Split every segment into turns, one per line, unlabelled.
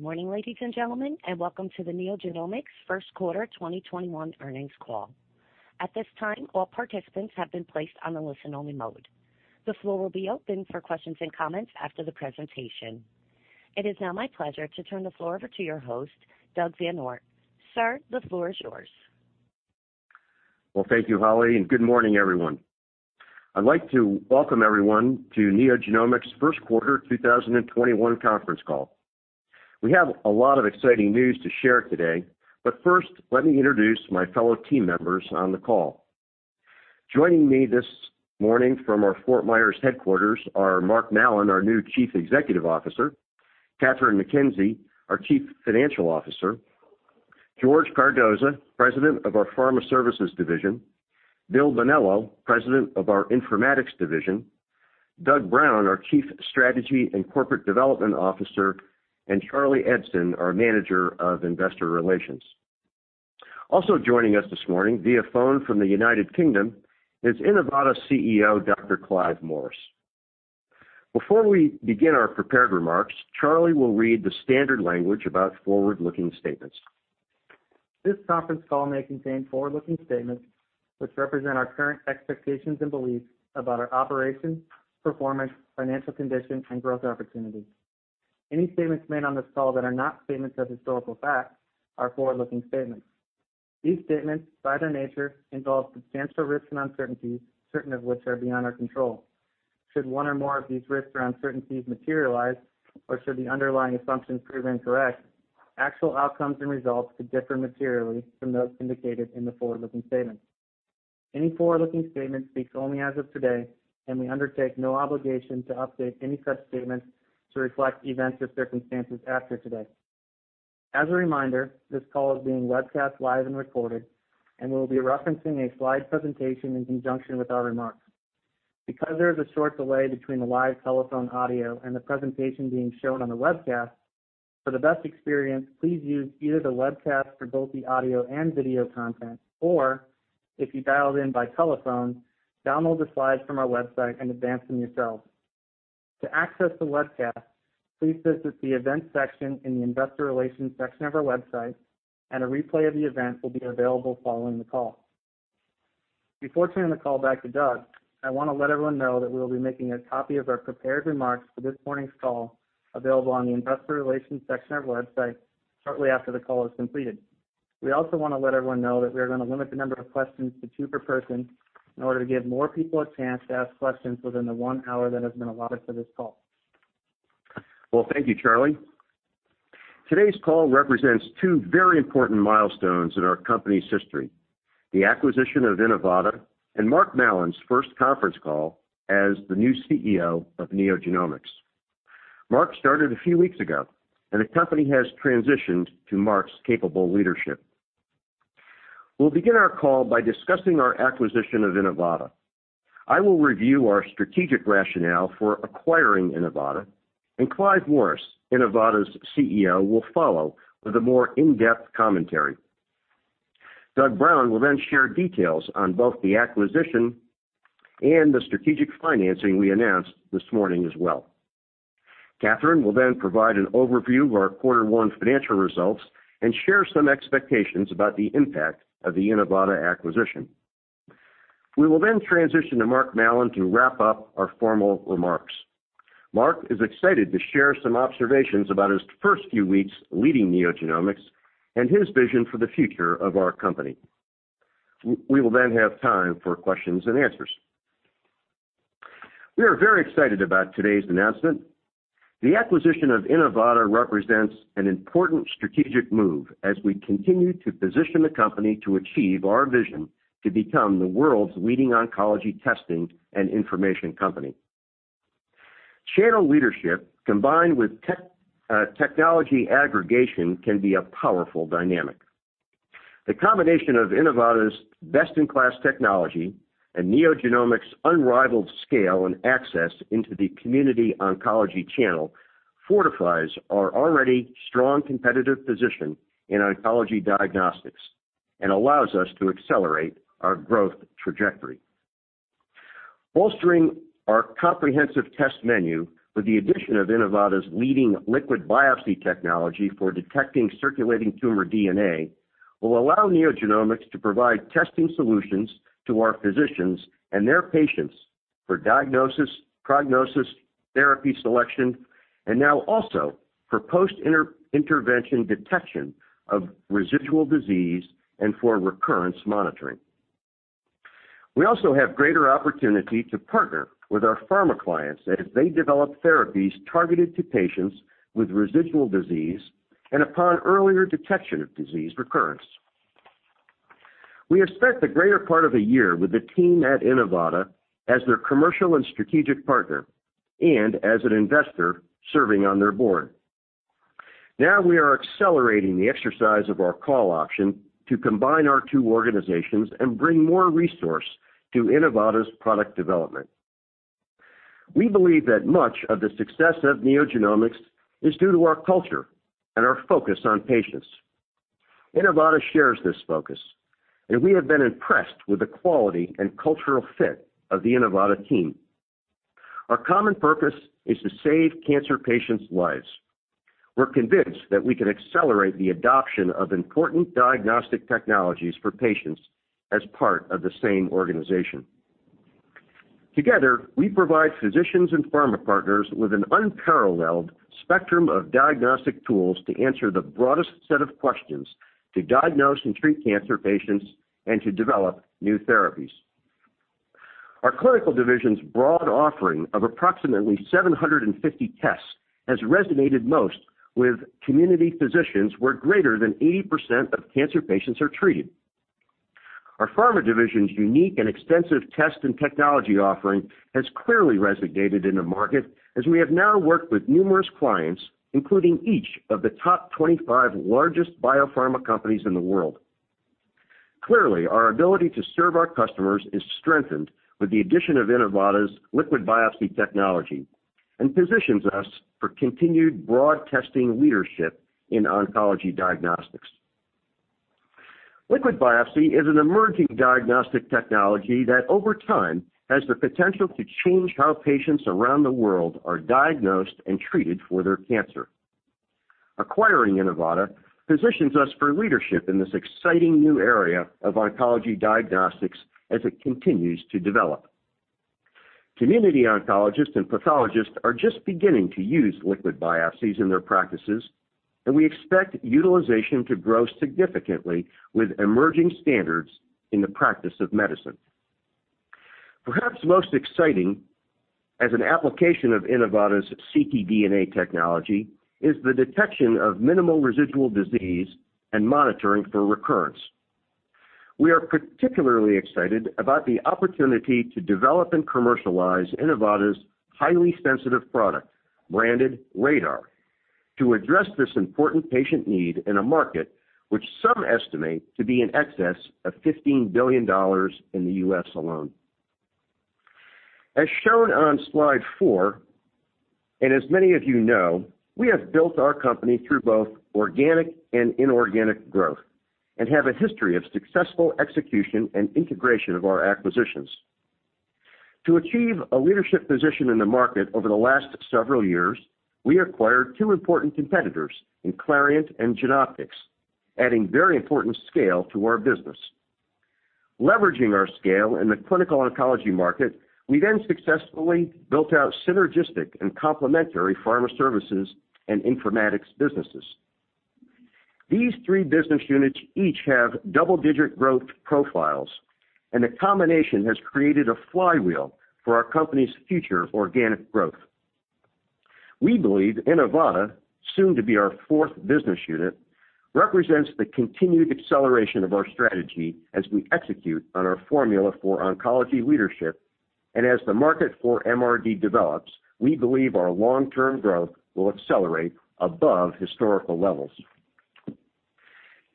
Good morning, ladies and gentlemen, welcome to the NeoGenomics first quarter 2021 earnings call. At this time, all participants have been placed on a listen-only mode. The floor will be open for questions and comments after the presentation. It is now my pleasure to turn the floor over to your host, Doug VanOort. Sir, the floor is yours.
Well, thank you, Holly, and good morning, everyone. I'd like to welcome everyone to NeoGenomics' first quarter 2021 conference call. We have a lot of exciting news to share today. First, let me introduce my fellow team members on the call. Joining me this morning from our Fort Myers headquarters are Mark Mallon, our new Chief Executive Officer, Kathryn McKenzie, our Chief Financial Officer, George Cardoza, President of our Pharma Services Division, Bill Bonello, President of our Informatics Division, Doug Brown, our Chief Strategy and Corporate Development Officer, and Charlie Eidson, our Manager of Investor Relations. Also joining us this morning via phone from the U.K. is Inivata's CEO, Dr. Clive Morris. Before we begin our prepared remarks, Charlie will read the standard language about forward-looking statements.
This conference call may contain forward-looking statements, which represent our current expectations and beliefs about our operations, performance, financial condition, and growth opportunities. Any statements made on this call that are not statements of historical fact are forward-looking statements. These statements, by their nature, involve substantial risks and uncertainties, certain of which are beyond our control. Should one or more of these risks or uncertainties materialize, or should the underlying assumptions prove incorrect, actual outcomes and results could differ materially from those indicated in the forward-looking statements. Any forward-looking statement speaks only as of today, and we undertake no obligation to update any such statements to reflect events or circumstances after today. As a reminder, this call is being webcast live and recorded, and we will be referencing a slide presentation in conjunction with our remarks. Because there is a short delay between the live telephone audio and the presentation being shown on the webcast, for the best experience, please use either the webcast for both the audio and video content, or if you dialed in by telephone, download the slides from our website and advance them yourself. To access the webcast, please visit the Events section in the Investor Relations section of our website, and a replay of the event will be available following the call. Before turning the call back to Doug, I want to let everyone know that we will be making a copy of our prepared remarks for this morning's call available on the Investor Relations section of our website shortly after the call is completed. We also want to let everyone know that we are going to limit the number of questions to two per person in order to give more people a chance to ask questions within the one hour that has been allotted for this call.
Well, thank you, Charlie. Today's call represents two very important milestones in our company's history, the acquisition of Inivata and Mark Mallon's first conference call as the new CEO of NeoGenomics. Mark started a few weeks ago, and the company has transitioned to Mark's capable leadership. We'll begin our call by discussing our acquisition of Inivata. I will review our strategic rationale for acquiring Inivata, and Clive Morris, Inivata's CEO, will follow with a more in-depth commentary. Doug Brown will then share details on both the acquisition and the strategic financing we announced this morning as well. Kathryn will then provide an overview of our quarter one financial results and share some expectations about the impact of the Inivata acquisition. We will then transition to Mark Mallon to wrap up our formal remarks. Mark is excited to share some observations about his first few weeks leading NeoGenomics and his vision for the future of our company. We will then have time for questions and answers. We are very excited about today's announcement. The acquisition of Inivata represents an important strategic move as we continue to position the company to achieve our vision to become the world's leading oncology testing and information company. Channel leadership combined with technology aggregation can be a powerful dynamic. The combination of Inivata's best-in-class technology and NeoGenomics' unrivaled scale and access into the community oncology channel fortifies our already strong competitive position in oncology diagnostics and allows us to accelerate our growth trajectory. Bolstering our comprehensive test menu with the addition of Inivata's leading liquid biopsy technology for detecting circulating tumor DNA will allow NeoGenomics to provide testing solutions to our physicians and their patients for diagnosis, prognosis, therapy selection, and now also for post-intervention detection of residual disease and for recurrence monitoring. We also have greater opportunity to partner with our pharma clients as they develop therapies targeted to patients with residual disease and upon earlier detection of disease recurrence. We have spent the greater part of a year with the team at Inivata as their commercial and strategic partner and as an investor serving on their board. Now we are accelerating the exercise of our call option to combine our two organizations and bring more resource to Inivata's product development. We believe that much of the success of NeoGenomics is due to our culture and our focus on patients. Inivata shares this focus, and we have been impressed with the quality and cultural fit of the Inivata team. Our common purpose is to save cancer patients' lives. We're convinced that we can accelerate the adoption of important diagnostic technologies for patients as part of the same organization. Together, we provide physicians and pharma partners with an unparalleled spectrum of diagnostic tools to answer the broadest set of questions to diagnose and treat cancer patients and to develop new therapies. Our clinical division's broad offering of approximately 750 tests has resonated most with community physicians, where greater than 80% of cancer patients are treated. Our pharma division's unique and extensive test and technology offering has clearly resonated in the market, as we have now worked with numerous clients, including each of the top 25 largest biopharma companies in the world. Clearly, our ability to serve our customers is strengthened with the addition of Inivata's liquid biopsy technology and positions us for continued broad testing leadership in oncology diagnostics. Liquid biopsy is an emerging diagnostic technology that over time has the potential to change how patients around the world are diagnosed and treated for their cancer. Acquiring Inivata positions us for leadership in this exciting new area of oncology diagnostics as it continues to develop. Community oncologists and pathologists are just beginning to use liquid biopsies in their practices, and we expect utilization to grow significantly with emerging standards in the practice of medicine. Perhaps most exciting as an application of Inivata's ctDNA technology is the detection of minimal residual disease and monitoring for recurrence. We are particularly excited about the opportunity to develop and commercialize Inivata's highly sensitive product, branded RaDaR, to address this important patient need in a market which some estimate to be in excess of $15 billion in the U.S. alone. As shown on slide four, and as many of you know, we have built our company through both organic and inorganic growth and have a history of successful execution and integration of our acquisitions. To achieve a leadership position in the market over the last several years, we acquired two important competitors in Clarient and Genoptix, adding very important scale to our business. Leveraging our scale in the clinical oncology market, we then successfully built out synergistic and complementary pharma services and informatics businesses. These three business units each have double-digit growth profiles, and the combination has created a flywheel for our company's future organic growth. We believe Inivata, soon to be our four business unit, represents the continued acceleration of our strategy as we execute on our formula for oncology leadership. As the market for MRD develops, we believe our long-term growth will accelerate above historical levels.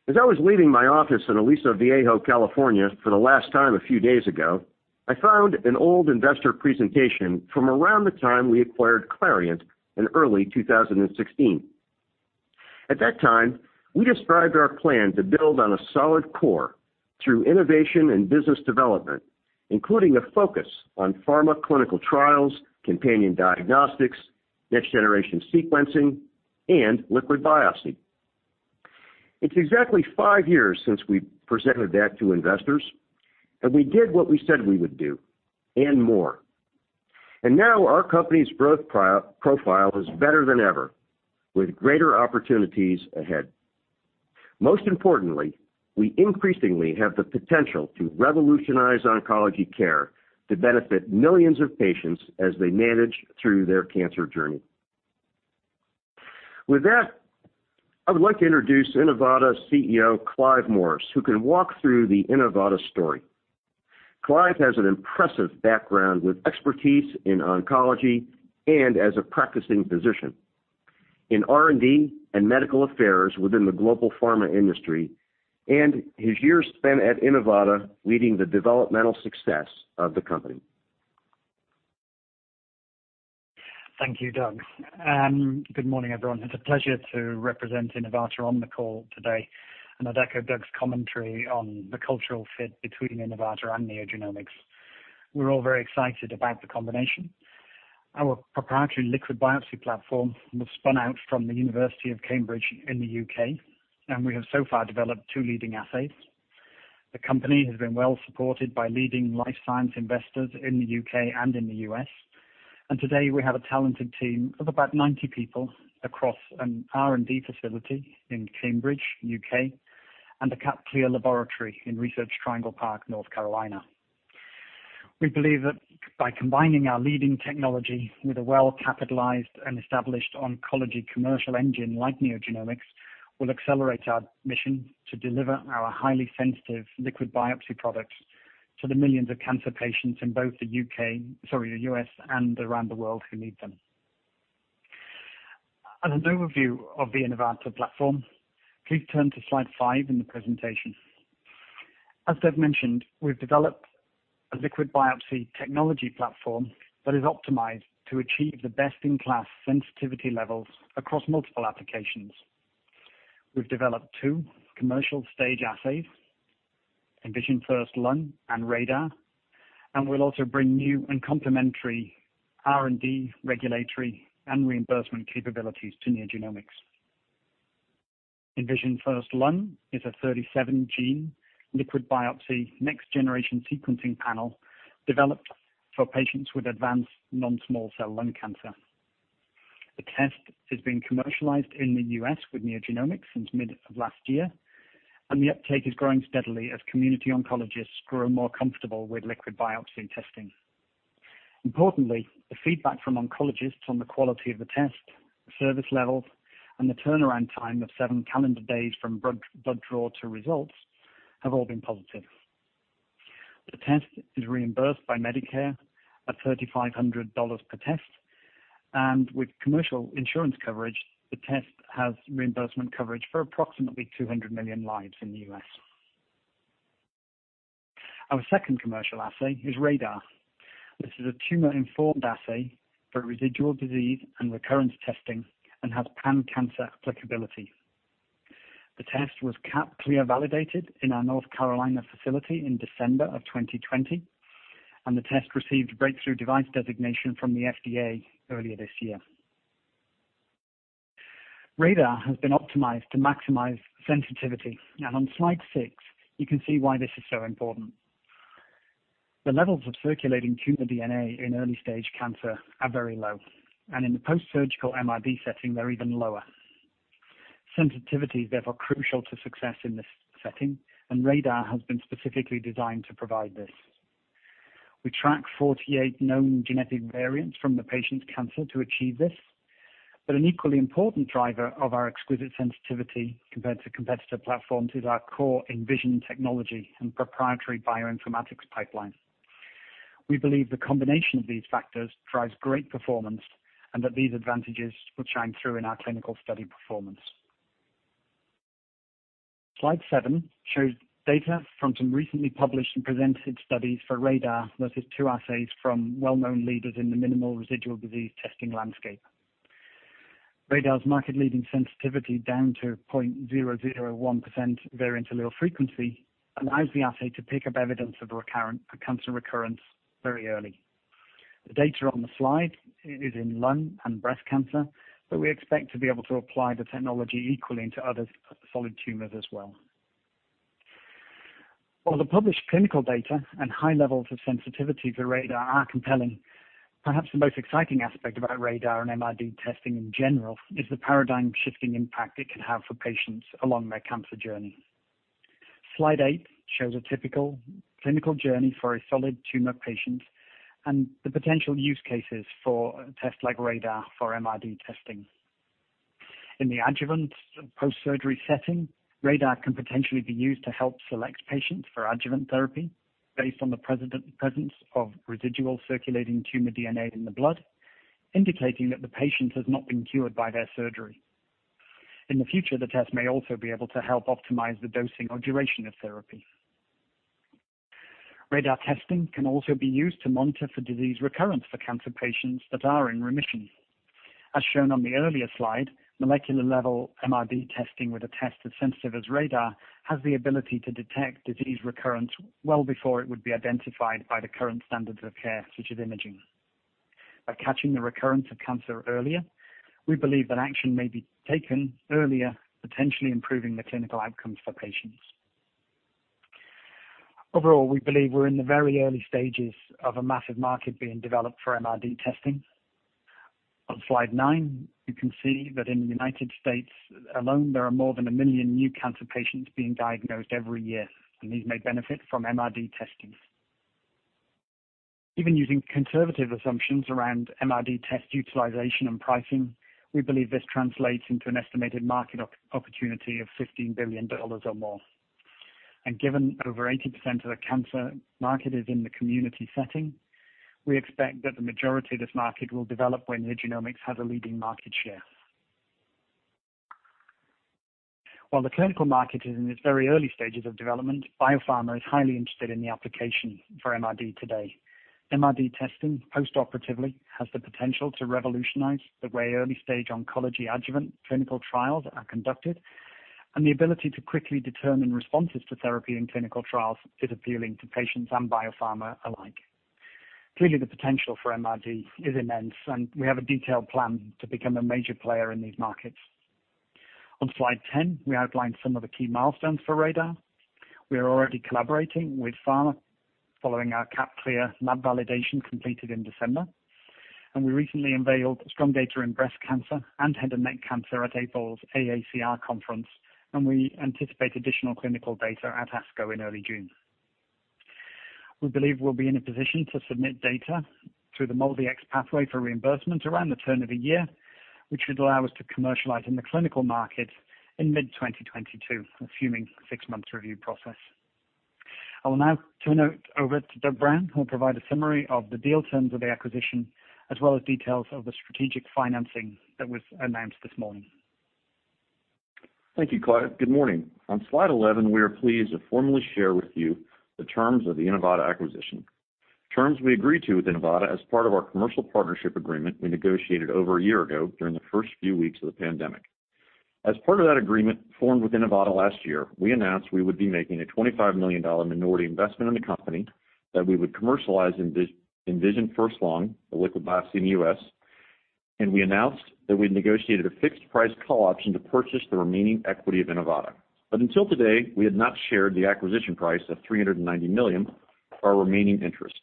As I was leaving my office in Aliso Viejo, California for the last time a few days ago, I found an old investor presentation from around the time we acquired Clarient in early 2016. At that time, we described our plan to build on a solid core through innovation and business development, including a focus on pharma clinical trials, companion diagnostics, next-generation sequencing, and liquid biopsy. It's exactly five years since we presented that to investors, we did what we said we would do and more. Now our company's growth profile is better than ever, with greater opportunities ahead. Most importantly, we increasingly have the potential to revolutionize oncology care to benefit millions of patients as they manage through their cancer journey. With that, I would like to introduce Inivata's CEO, Clive Morris, who can walk through the Inivata story. Clive has an impressive background with expertise in oncology and as a practicing physician in R&D and medical affairs within the global pharma industry and his years spent at Inivata leading the developmental success of the company.
Thank you, Doug, and good morning, everyone. It's a pleasure to represent Inivata on the call today, and I'd echo Doug's commentary on the cultural fit between Inivata and NeoGenomics. We're all very excited about the combination. Our proprietary liquid biopsy platform was spun out from the University of Cambridge in the U.K., and we have so far developed two leading assays. The company has been well supported by leading life science investors in the U.K. and in the U.S., and today we have a talented team of about 90 people across an R&D facility in Cambridge, U.K., and a CAP-cleared laboratory in Research Triangle Park, North Carolina. We believe that by combining our leading technology with a well-capitalized and established oncology commercial engine like NeoGenomics, we'll accelerate our mission to deliver our highly sensitive liquid biopsy products to the millions of cancer patients in both the U.S. and around the world who need them. As an overview of the Inivata platform, please turn to slide five in the presentation. As Doug mentioned, we've developed a liquid biopsy technology platform that is optimized to achieve the best-in-class sensitivity levels across multiple applications. We've developed two commercial-stage assays, InVisionFirst-Lung and RaDaR. We'll also bring new and complementary R&D regulatory and reimbursement capabilities to NeoGenomics. InVisionFirst-Lung is a 37-gene liquid biopsy next-generation sequencing panel developed for patients with advanced non-small cell lung cancer. The test is being commercialized in the U.S. with NeoGenomics since mid of last year, and the uptake is growing steadily as community oncologists grow more comfortable with liquid biopsy testing. Importantly, the feedback from oncologists on the quality of the test, the service levels, and the turnaround time of seven calendar days from blood draw to results have all been positive. The test is reimbursed by Medicare at $3,500 per test, and with commercial insurance coverage, the test has reimbursement coverage for approximately 200 million lives in the U.S. Our second commercial assay is RaDaR. This is a tumor-informed assay for residual disease and recurrence testing and has pan-cancer applicability. The test was CAP/CLIA validated in our North Carolina facility in December of 2020, and the test received Breakthrough Device designation from the FDA earlier this year. RaDaR has been optimized to maximize sensitivity, and on slide six, you can see why this is so important. The levels of circulating tumor DNA in early-stage cancer are very low, and in the post-surgical MRD setting, they're even lower. Sensitivity is therefore crucial to success in this setting, and RaDaR has been specifically designed to provide this. We track 48 known genetic variants from the patient's cancer to achieve this, but an equally important driver of our exquisite sensitivity compared to competitor platforms is our core InVision technology and proprietary bioinformatics pipeline. We believe the combination of these factors drives great performance and that these advantages will shine through in our clinical study performance. Slide seven shows data from some recently published and presented studies for RaDaR versus two assays from well-known leaders in the minimal residual disease testing landscape. RaDaR's market-leading sensitivity down to 0.001% variant allele frequency allows the assay to pick up evidence of a cancer recurrence very early. The data on the slide is in lung and breast cancer, but we expect to be able to apply the technology equally into other solid tumors as well. While the published clinical data and high levels of sensitivity for RaDaR are compelling, perhaps the most exciting aspect about RaDaR and MRD testing in general is the paradigm-shifting impact it can have for patients along their cancer journey. Slide eight shows a typical clinical journey for a solid tumor patient and the potential use cases for a test like RaDaR for MRD testing. In the adjuvant post-surgery setting, RaDaR can potentially be used to help select patients for adjuvant therapy based on the presence of residual circulating tumor DNA in the blood, indicating that the patient has not been cured by their surgery. In the future, the test may also be able to help optimize the dosing or duration of therapy. RaDaR testing can also be used to monitor for disease recurrence for cancer patients that are in remission. As shown on the earlier slide, molecular-level MRD testing with a test as sensitive as RaDaR has the ability to detect disease recurrence well before it would be identified by the current standards of care, such as imaging. By catching the recurrence of cancer earlier, we believe that action may be taken earlier, potentially improving the clinical outcomes for patients. Overall, we believe we're in the very early stages of a massive market being developed for MRD testing. On slide nine, you can see that in the U.S. alone, there are more than 1 million new cancer patients being diagnosed every year, and these may benefit from MRD testing. Even using conservative assumptions around MRD test utilization and pricing, we believe this translates into an estimated market opportunity of $15 billion or more. Given over 80% of the cancer market is in the community setting, we expect that the majority of this market will develop when NeoGenomics has a leading market share. While the clinical market is in its very early stages of development, biopharma is highly interested in the application for MRD today. MRD testing postoperatively has the potential to revolutionize the way early-stage oncology adjuvant clinical trials are conducted, and the ability to quickly determine responses to therapy in clinical trials is appealing to patients and biopharma alike. Clearly, the potential for MRD is immense, and we have a detailed plan to become a major player in these markets. On slide 10, we outlined some of the key milestones for RaDaR. We are already collaborating with pharma following our CAP/CLIA lab validation completed in December. We recently unveiled strong data in breast cancer and head and neck cancer at April's AACR conference. We anticipate additional clinical data at ASCO in early June. We believe we'll be in a position to submit data through the MolDX pathway for reimbursement around the turn of the year, which would allow us to commercialize in the clinical market in mid-2022, assuming a six-month review process. I will now turn it over to Doug Brown, who will provide a summary of the deal terms of the acquisition, as well as details of the strategic financing that was announced this morning.
Thank you, Clive. Good morning. On slide 11, we are pleased to formally share with you the terms of the Inivata acquisition. Terms we agreed to with Inivata as part of our commercial partnership agreement we negotiated over a year ago during the first few weeks of the pandemic. As part of that agreement formed with Inivata last year, we announced we would be making a $25 million minority investment in the company, that we would commercialize InVisionFirst-Lung, a liquid biopsy in the U.S., and we announced that we'd negotiated a fixed-price call option to purchase the remaining equity of Inivata. Until today, we had not shared the acquisition price of $390 million for our remaining interest.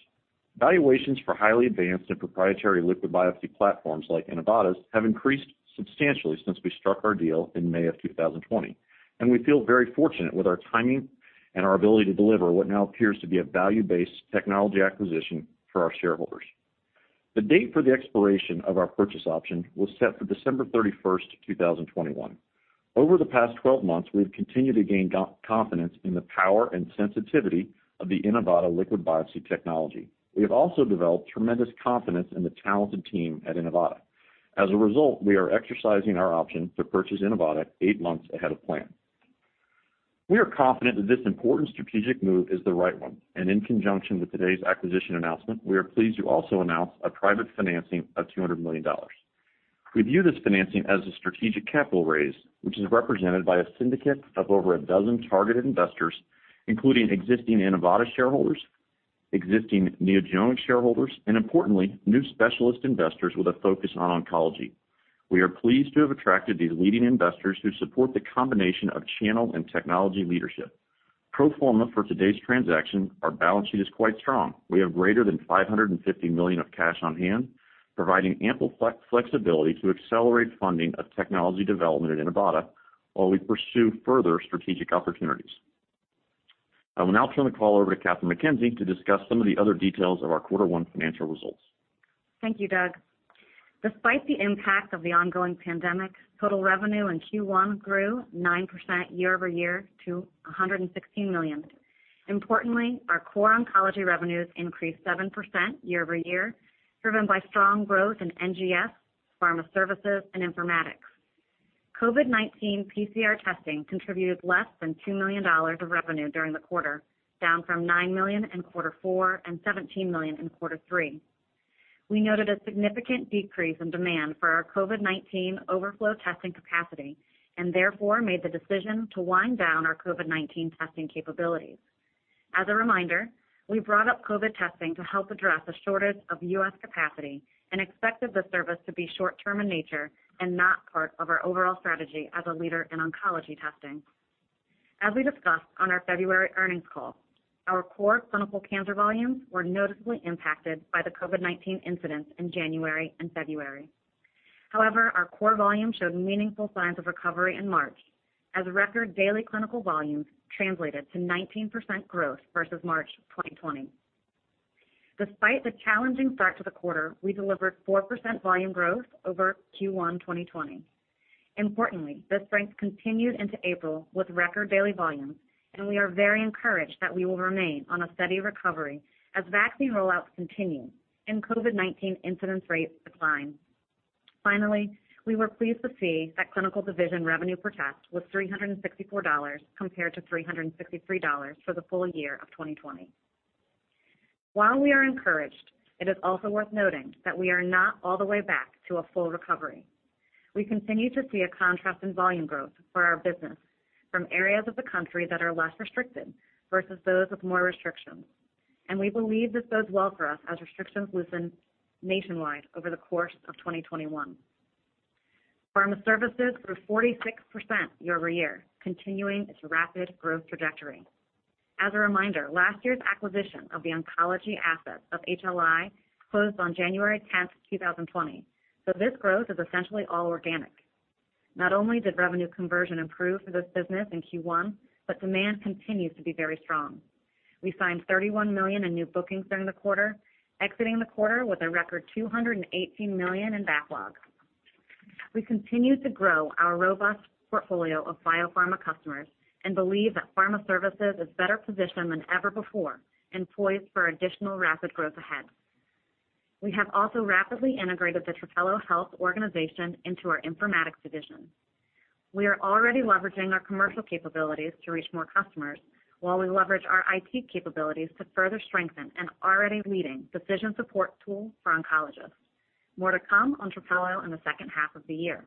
Valuations for highly advanced and proprietary liquid biopsy platforms like Inivata's have increased substantially since we struck our deal in May of 2020, and we feel very fortunate with our timing and our ability to deliver what now appears to be a value-based technology acquisition for our shareholders. The date for the expiration of our purchase option was set for December 31st, 2021. Over the past 12 months, we've continued to gain confidence in the power and sensitivity of the Inivata liquid biopsy technology. We have also developed tremendous confidence in the talented team at Inivata. As a result, we are exercising our option to purchase Inivata eight months ahead of plan. In conjunction with today's acquisition announcement, we are pleased to also announce a private financing of $200 million. We view this financing as a strategic capital raise, which is represented by a syndicate of over a dozen targeted investors, including existing Inivata shareholders, existing NeoGenomics shareholders, and importantly, new specialist investors with a focus on oncology. We are pleased to have attracted these leading investors who support the combination of channel and technology leadership. Pro forma for today's transaction, our balance sheet is quite strong. We have greater than $550 million of cash on hand, providing ample flexibility to accelerate funding of technology development at Inivata while we pursue further strategic opportunities. I will now turn the call over to Kathryn McKenzie to discuss some of the other details of our quarter one financial results.
Thank you, Doug. Despite the impact of the ongoing pandemic, total revenue in Q1 grew 9% year-over-year to $116 million. Importantly, our core oncology revenues increased 7% year-over-year, driven by strong growth in NGS, pharma services, and informatics. COVID-19 PCR testing contributed less than $2 million of revenue during the quarter, down from $9 million in quarter four and $17 million in quarter three. We noted a significant decrease in demand for our COVID-19 overflow testing capacity and therefore made the decision to wind down our COVID-19 testing capabilities. As a reminder, we brought up COVID testing to help address a shortage of U.S. capacity and expected the service to be short-term in nature and not part of our overall strategy as a leader in oncology testing. As we discussed on our February earnings call, our core clinical cancer volumes were noticeably impacted by the COVID-19 incidence in January and February. However, our core volumes showed meaningful signs of recovery in March as record daily clinical volumes translated to 19% growth versus March 2020. Despite the challenging start to the quarter, we delivered 4% volume growth over Q1 2020. Importantly, this strength continued into April with record daily volumes, and we are very encouraged that we will remain on a steady recovery as vaccine rollouts continue and COVID-19 incidence rates decline. Finally, we were pleased to see that clinical division revenue per test was $364 compared to $363 for the full year of 2020. While we are encouraged, it is also worth noting that we are not all the way back to a full recovery. We continue to see a contrast in volume growth for our business from areas of the country that are less restricted versus those with more restrictions. We believe this bodes well for us as restrictions loosen nationwide over the course of 2021. Pharma Services grew 46% year-over-year, continuing its rapid growth trajectory. As a reminder, last year's acquisition of the oncology assets of HLI closed on January 10th, 2020, so this growth is essentially all organic. Not only did revenue conversion improve for this business in Q1. Demand continues to be very strong. We signed $31 million in new bookings during the quarter, exiting the quarter with a record $218 million in backlog. We continue to grow our robust portfolio of biopharma customers and believe that Pharma Services is better positioned than ever before and poised for additional rapid growth ahead. We have also rapidly integrated the Trapelo Health organization into our informatics division. We are already leveraging our commercial capabilities to reach more customers while we leverage our IT capabilities to further strengthen an already leading decision support tool for oncologists. More to come on Trapelo in the second half of the year.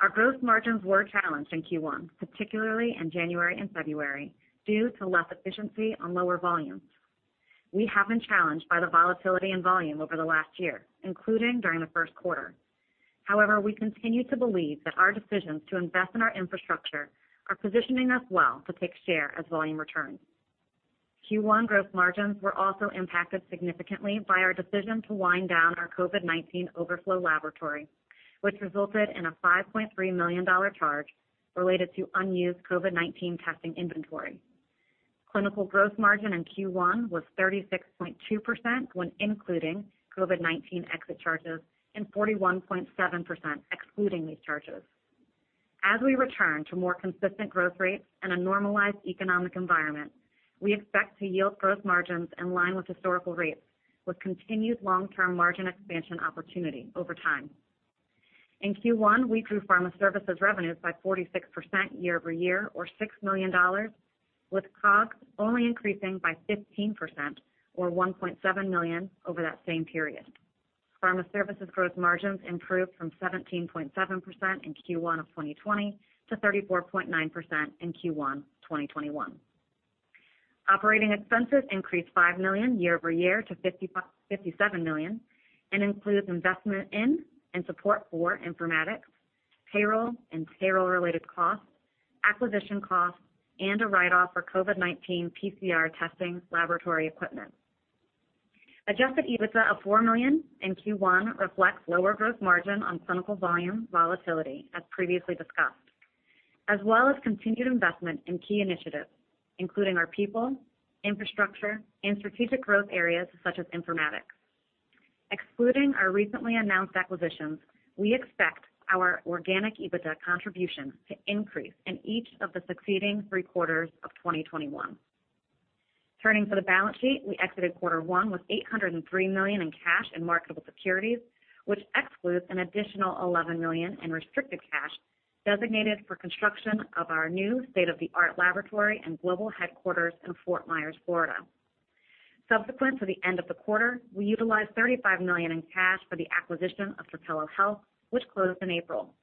Our gross margins were challenged in Q1, particularly in January and February, due to less efficiency on lower volumes. We have been challenged by the volatility in volume over the last year, including during the first quarter. We continue to believe that our decisions to invest in our infrastructure are positioning us well to take share as volume returns. Q1 gross margins were also impacted significantly by our decision to wind down our COVID-19 overflow laboratory, which resulted in a $5.3 million charge related to unused COVID-19 testing inventory. Clinical gross margin in Q1 was 36.2% when including COVID-19 exit charges and 41.7% excluding these charges. As we return to more consistent growth rates and a normalized economic environment, we expect to yield gross margins in line with historical rates with continued long-term margin expansion opportunity over time. In Q1, we grew Pharma Services revenues by 46% year-over-year or $6 million, with COGS only increasing by 15% or $1.7 million over that same period. Pharma Services gross margins improved from 17.7% in Q1 of 2020 to 34.9% in Q1 2021. Operating expenses increased $5 million year-over-year to $57 million and includes investment in and support for Informatics, payroll and payroll-related costs, acquisition costs, and a write-off for COVID-19 PCR testing laboratory equipment. Adjusted EBITDA of $4 million in Q1 reflects lower gross margin on clinical volume volatility as previously discussed, as well as continued investment in key initiatives, including our people, infrastructure, and strategic growth areas such as informatics. Excluding our recently announced acquisitions, we expect our organic EBITDA contribution to increase in each of the succeeding three quarters of 2021. Turning to the balance sheet, we exited quarter one with $803 million in cash and marketable securities, which excludes an additional $11 million in restricted cash designated for construction of our new state-of-the-art laboratory and global headquarters in Fort Myers, Florida. Subsequent to the end of the quarter, we utilized $35 million in cash for the acquisition of Trapelo Health, which closed in April.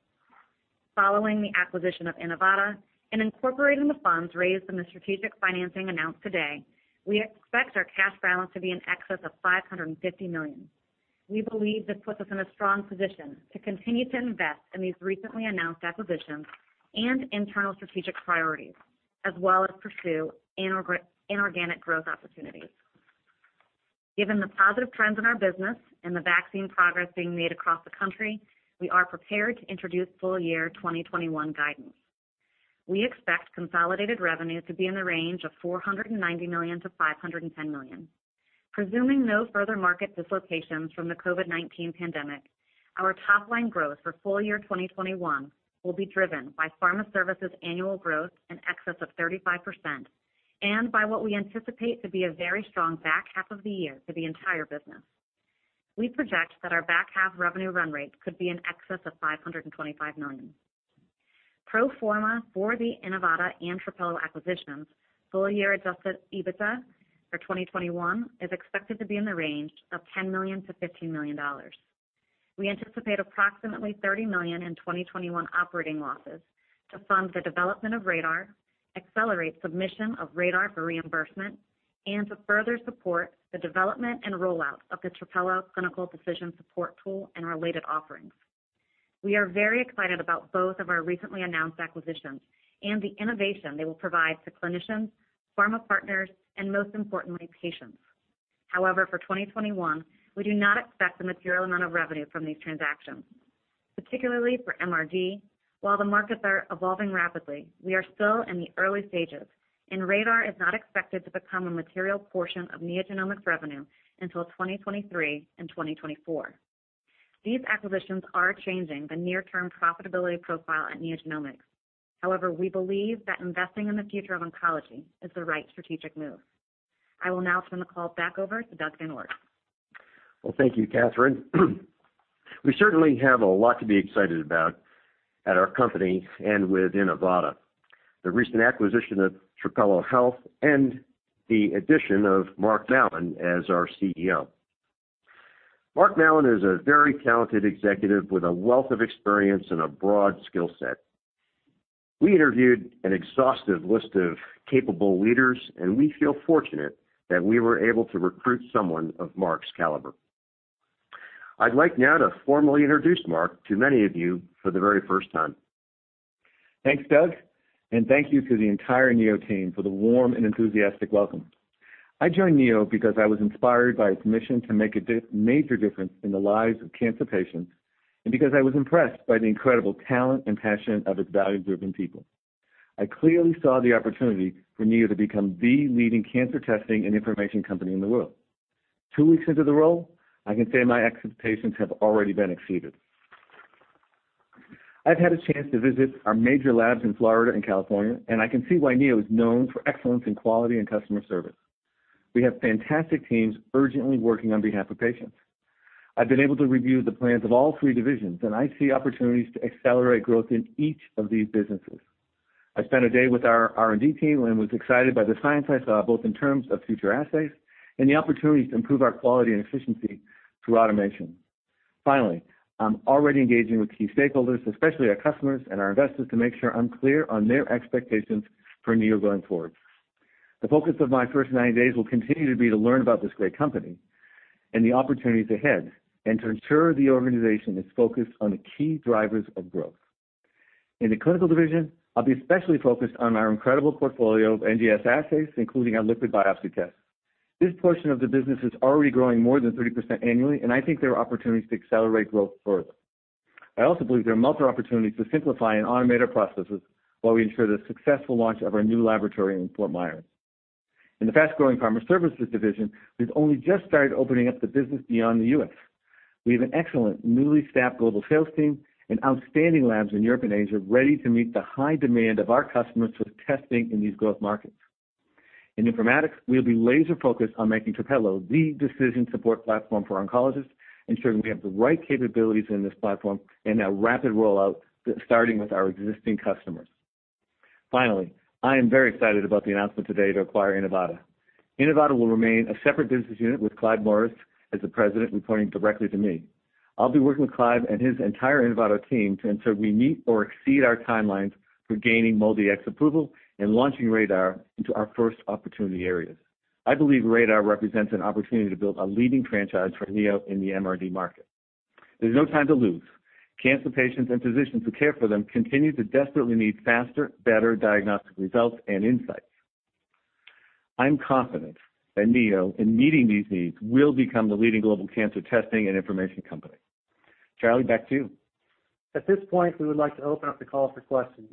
Following the acquisition of Inivata and incorporating the funds raised in the strategic financing announced today, we expect our cash balance to be in excess of $550 million. We believe this puts us in a strong position to continue to invest in these recently announced acquisitions and internal strategic priorities, as well as pursue inorganic growth opportunities. Given the positive trends in our business and the vaccine progress being made across the country, we are prepared to introduce full year 2021 guidance. We expect consolidated revenue to be in the range of $490 million-$510 million. Presuming no further market dislocations from the COVID-19 pandemic, our top-line growth for full year 2021 will be driven by Pharma Services annual growth in excess of 35%, and by what we anticipate to be a very strong back half of the year for the entire business. We project that our back half revenue run rate could be in excess of $525 million. Pro forma for the Inivata and Trapelo acquisitions, full year adjusted EBITDA for 2021 is expected to be in the range of $10 million-$15 million. We anticipate approximately $30 million in 2021 operating losses to fund the development of RaDaR, accelerate submission of RaDaR for reimbursement, and to further support the development and rollout of the Trapelo clinical decision support tool and our related offerings. We are very excited about both of our recently announced acquisitions and the innovation they will provide to clinicians, pharma partners, and most importantly, patients. For 2021, we do not expect a material amount of revenue from these transactions, particularly for MRD. While the markets are evolving rapidly, we are still in the early stages, and RaDaR is not expected to become a material portion of NeoGenomics revenue until 2023 and 2024. These acquisitions are changing the near-term profitability profile at NeoGenomics. However, we believe that investing in the future of oncology is the right strategic move. I will now turn the call back over to Doug VanOort.
Well, thank you, Kathryn. We certainly have a lot to be excited about at our company and with Inivata. The recent acquisition of Trapelo Health and the addition of Mark Mallon as our CEO. Mark Mallon is a very talented executive with a wealth of experience and a broad skill set. We interviewed an exhaustive list of capable leaders, and we feel fortunate that we were able to recruit someone of Mark's caliber. I'd like now to formally introduce Mark to many of you for the very first time.
Thanks, Doug. Thank you to the entire Neo team for the warm and enthusiastic welcome. I joined Neo because I was inspired by its mission to make a major difference in the lives of cancer patients, because I was impressed by the incredible talent and passion of its value-driven people. I clearly saw the opportunity for Neo to become the leading cancer testing and information company in the world. Two weeks into the role, I can say my expectations have already been exceeded. I've had a chance to visit our major labs in Florida and California. I can see why Neo is known for excellence in quality and customer service. We have fantastic teams urgently working on behalf of patients. I've been able to review the plans of all three divisions. I see opportunities to accelerate growth in each of these businesses. I spent a day with our R&D team and was excited by the science I saw, both in terms of future assays and the opportunity to improve our quality and efficiency through automation. Finally, I'm already engaging with key stakeholders, especially our customers and our investors, to make sure I'm clear on their expectations for Neo going forward. The focus of my first 90 days will continue to be to learn about this great company and the opportunities ahead, and to ensure the organization is focused on the key drivers of growth. In the clinical division, I'll be especially focused on our incredible portfolio of NGS assays, including our liquid biopsy test. This portion of the business is already growing more than 30% annually, and I think there are opportunities to accelerate growth further. I also believe there are multiple opportunities to simplify and automate our processes while we ensure the successful launch of our new laboratory in Fort Myers. In the fast-growing Pharma Services Division, we've only just started opening up the business beyond the U.S. We have an excellent newly staffed global sales team and outstanding labs in Europe and Asia ready to meet the high demand of our customers for testing in these growth markets. In informatics, we'll be laser focused on making Trapelo the decision support platform for oncologists, ensuring we have the right capabilities in this platform and a rapid rollout starting with our existing customers. Finally, I am very excited about the announcement today to acquire Inivata. Inivata will remain a separate business unit with Clive Morris as the president, reporting directly to me. I'll be working with Clive and his entire Inivata team to ensure we meet or exceed our timelines for gaining MoIDX approval and launching RaDaR into our first opportunity areas. I believe RaDaR represents an opportunity to build a leading franchise for Neo in the MRD market. There's no time to lose. Cancer patients and physicians who care for them continue to desperately need faster, better diagnostic results and insights. I'm confident that Neo, in meeting these needs, will become the leading global cancer testing and information company.
Charlie, back to you.
At this point, we would like to open up the call for questions.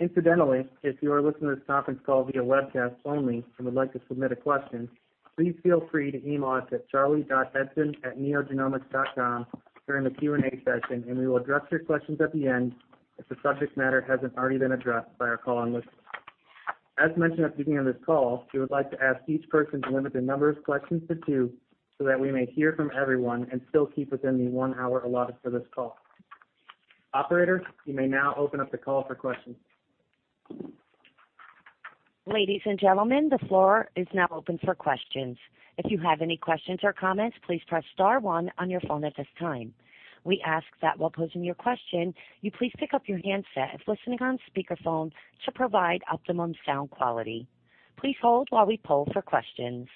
Incidentally, if you are listening to this conference call via webcast only and would like to submit a question, please feel free to email us at charlie.eidson@neogenomics.com during the Q&A session, and we will address your questions at the end if the subject matter hasn't already been addressed by our call-in listeners. As mentioned at the beginning of this call, we would like to ask each person to limit their number of questions to two so that we may hear from everyone and still keep within the one hour allotted for this call. Operator, you may now open up the call for questions.
Ladies and gentlemen, the floor is now open for questions. If you have any questions or comments, please press star one on your phone at this time. We ask that while posing your question, you please pick up your handset if listening on speakerphone to provide optimum sound quality. Please hold while we poll for questions.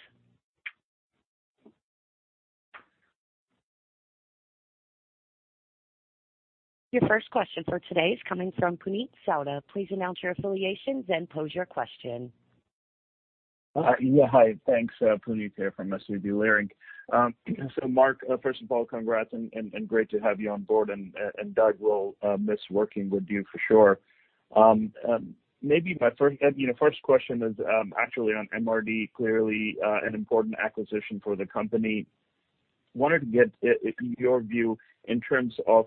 Your first question for today is coming from Puneet Souda. Please announce your affiliations and pose your question.
Hi. Thanks. Puneet here from SVB Leerink. Mark, first of all, congrats and great to have you on board, and Doug, we'll miss working with you for sure. My first question is actually on MRD, clearly an important acquisition for the company. Wanted to get your view in terms of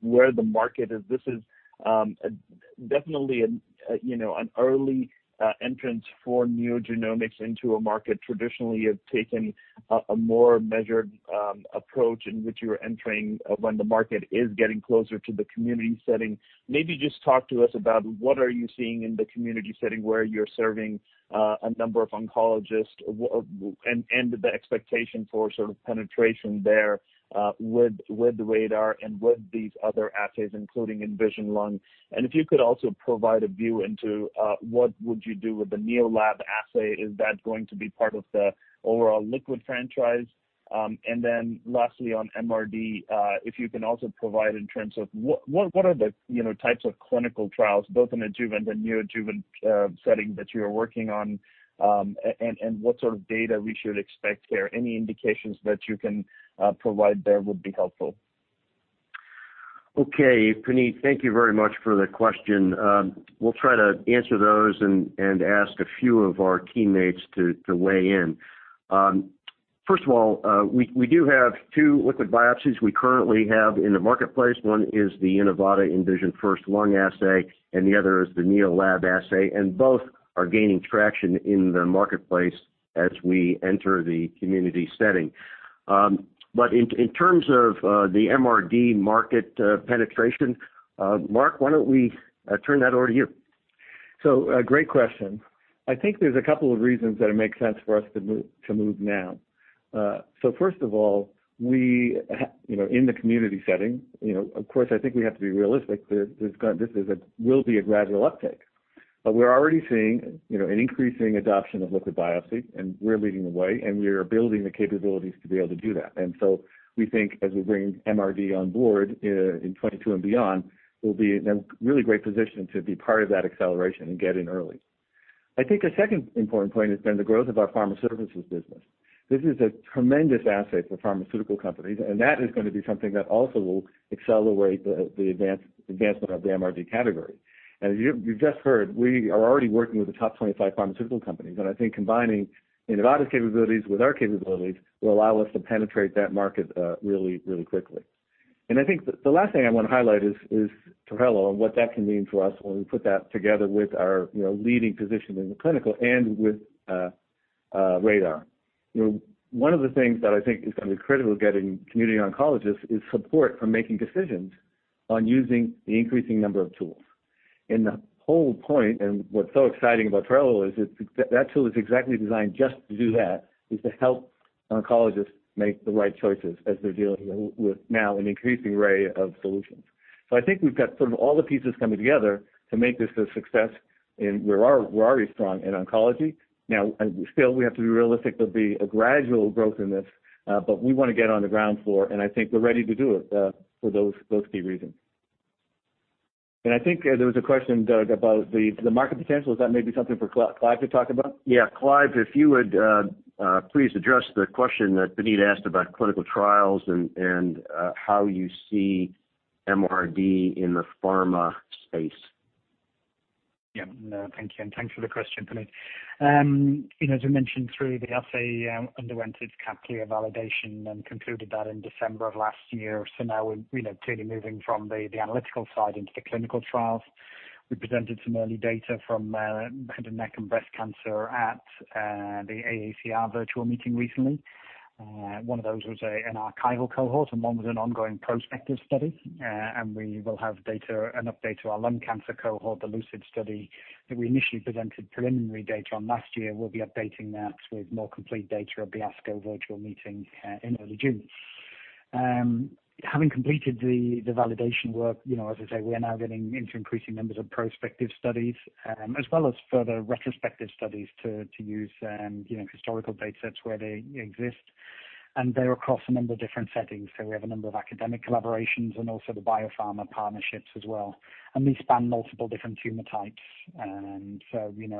where the market is. This is definitely an early entrance for NeoGenomics into a market. Traditionally, you've taken a more measured approach in which you're entering when the market is getting closer to the community setting. Maybe just talk to us about what are you seeing in the community setting where you're serving a number of oncologists and the expectation for sort of penetration there with RaDaR and with these other assays, including InVision Lung. If you could also provide a view into what would you do with the NeoLAB assay. Is that going to be part of the overall liquid franchise? Lastly, on MRD, if you can also provide in terms of what are the types of clinical trials, both in adjuvant and neoadjuvant setting that you're working on, and what sort of data we should expect there. Any indications that you can provide there would be helpful.
Okay, Puneet, thank you very much for the question. We'll try to answer those and ask a few of our teammates to weigh in. First of all, we do have two liquid biopsies we currently have in the marketplace. One is the Inivata InVisionFirst-Lung assay, the other is the NeoLAB assay, both are gaining traction in the marketplace as we enter the community setting. In terms of the MRD market penetration, Mark, why don't we turn that over to you?
A great question. I think there's a couple of reasons that it makes sense for us to move now. First of all, in the community setting, of course, I think we have to be realistic that this will be a gradual uptake. We're already seeing an increasing adoption of liquid biopsy and we're leading the way, and we're building the capabilities to be able to do that. We think as we bring MRD on board in 2022 and beyond, we'll be in a really great position to be part of that acceleration and get in early. I think a second important point has been the growth of our Pharma Services business. This is a tremendous asset for pharmaceutical companies, and that is going to be something that also will accelerate the advancement of the MRD category. As you've just heard, we are already working with the top 25 pharmaceutical companies. I think combining Inivata's capabilities with our capabilities will allow us to penetrate that market really quickly. I think the last thing I want to highlight is Trapelo and what that can mean for us when we put that together with our leading position in the clinical and with RaDaR. One of the things that I think is going to be critical getting community oncologists is support for making decisions on using the increasing number of tools. The whole point, and what's so exciting about Trapelo is that tool is exactly designed just to do that, is to help oncologists make the right choices as they're dealing with now an increasing array of solutions. I think we've got sort of all the pieces coming together to make this a success, and we're already strong in oncology. Now, still, we have to be realistic. There'll be a gradual growth in this, but we want to get on the ground floor, and I think we're ready to do it for those key reasons. I think there was a question, Doug, about the market potential. Is that maybe something for Clive to talk about?
Yeah. Clive, if you would please address the question that Puneet asked about clinical trials and how you see MRD in the pharma space.
Yeah. No, thank you, and thanks for the question, Puneet. As we mentioned through the assay, underwent its CLIA validation and concluded that in December of last year. Now we're clearly moving from the analytical side into the clinical trials. We presented some early data from head and neck and breast cancer at the AACR virtual meeting recently. One of those was an archival cohort, and one was an ongoing prospective study. We will have an update to our lung cancer cohort, the LUCID study, that we initially presented preliminary data on last year. We will be updating that with more complete data at the ASCO virtual meeting in early June. Having completed the validation work, as I say, we are now getting into increasing numbers of prospective studies as well as further retrospective studies to use historical data sets where they exist. They are across a number of different settings. We have a number of academic collaborations and also the biopharma partnerships as well, and these span multiple different tumor types.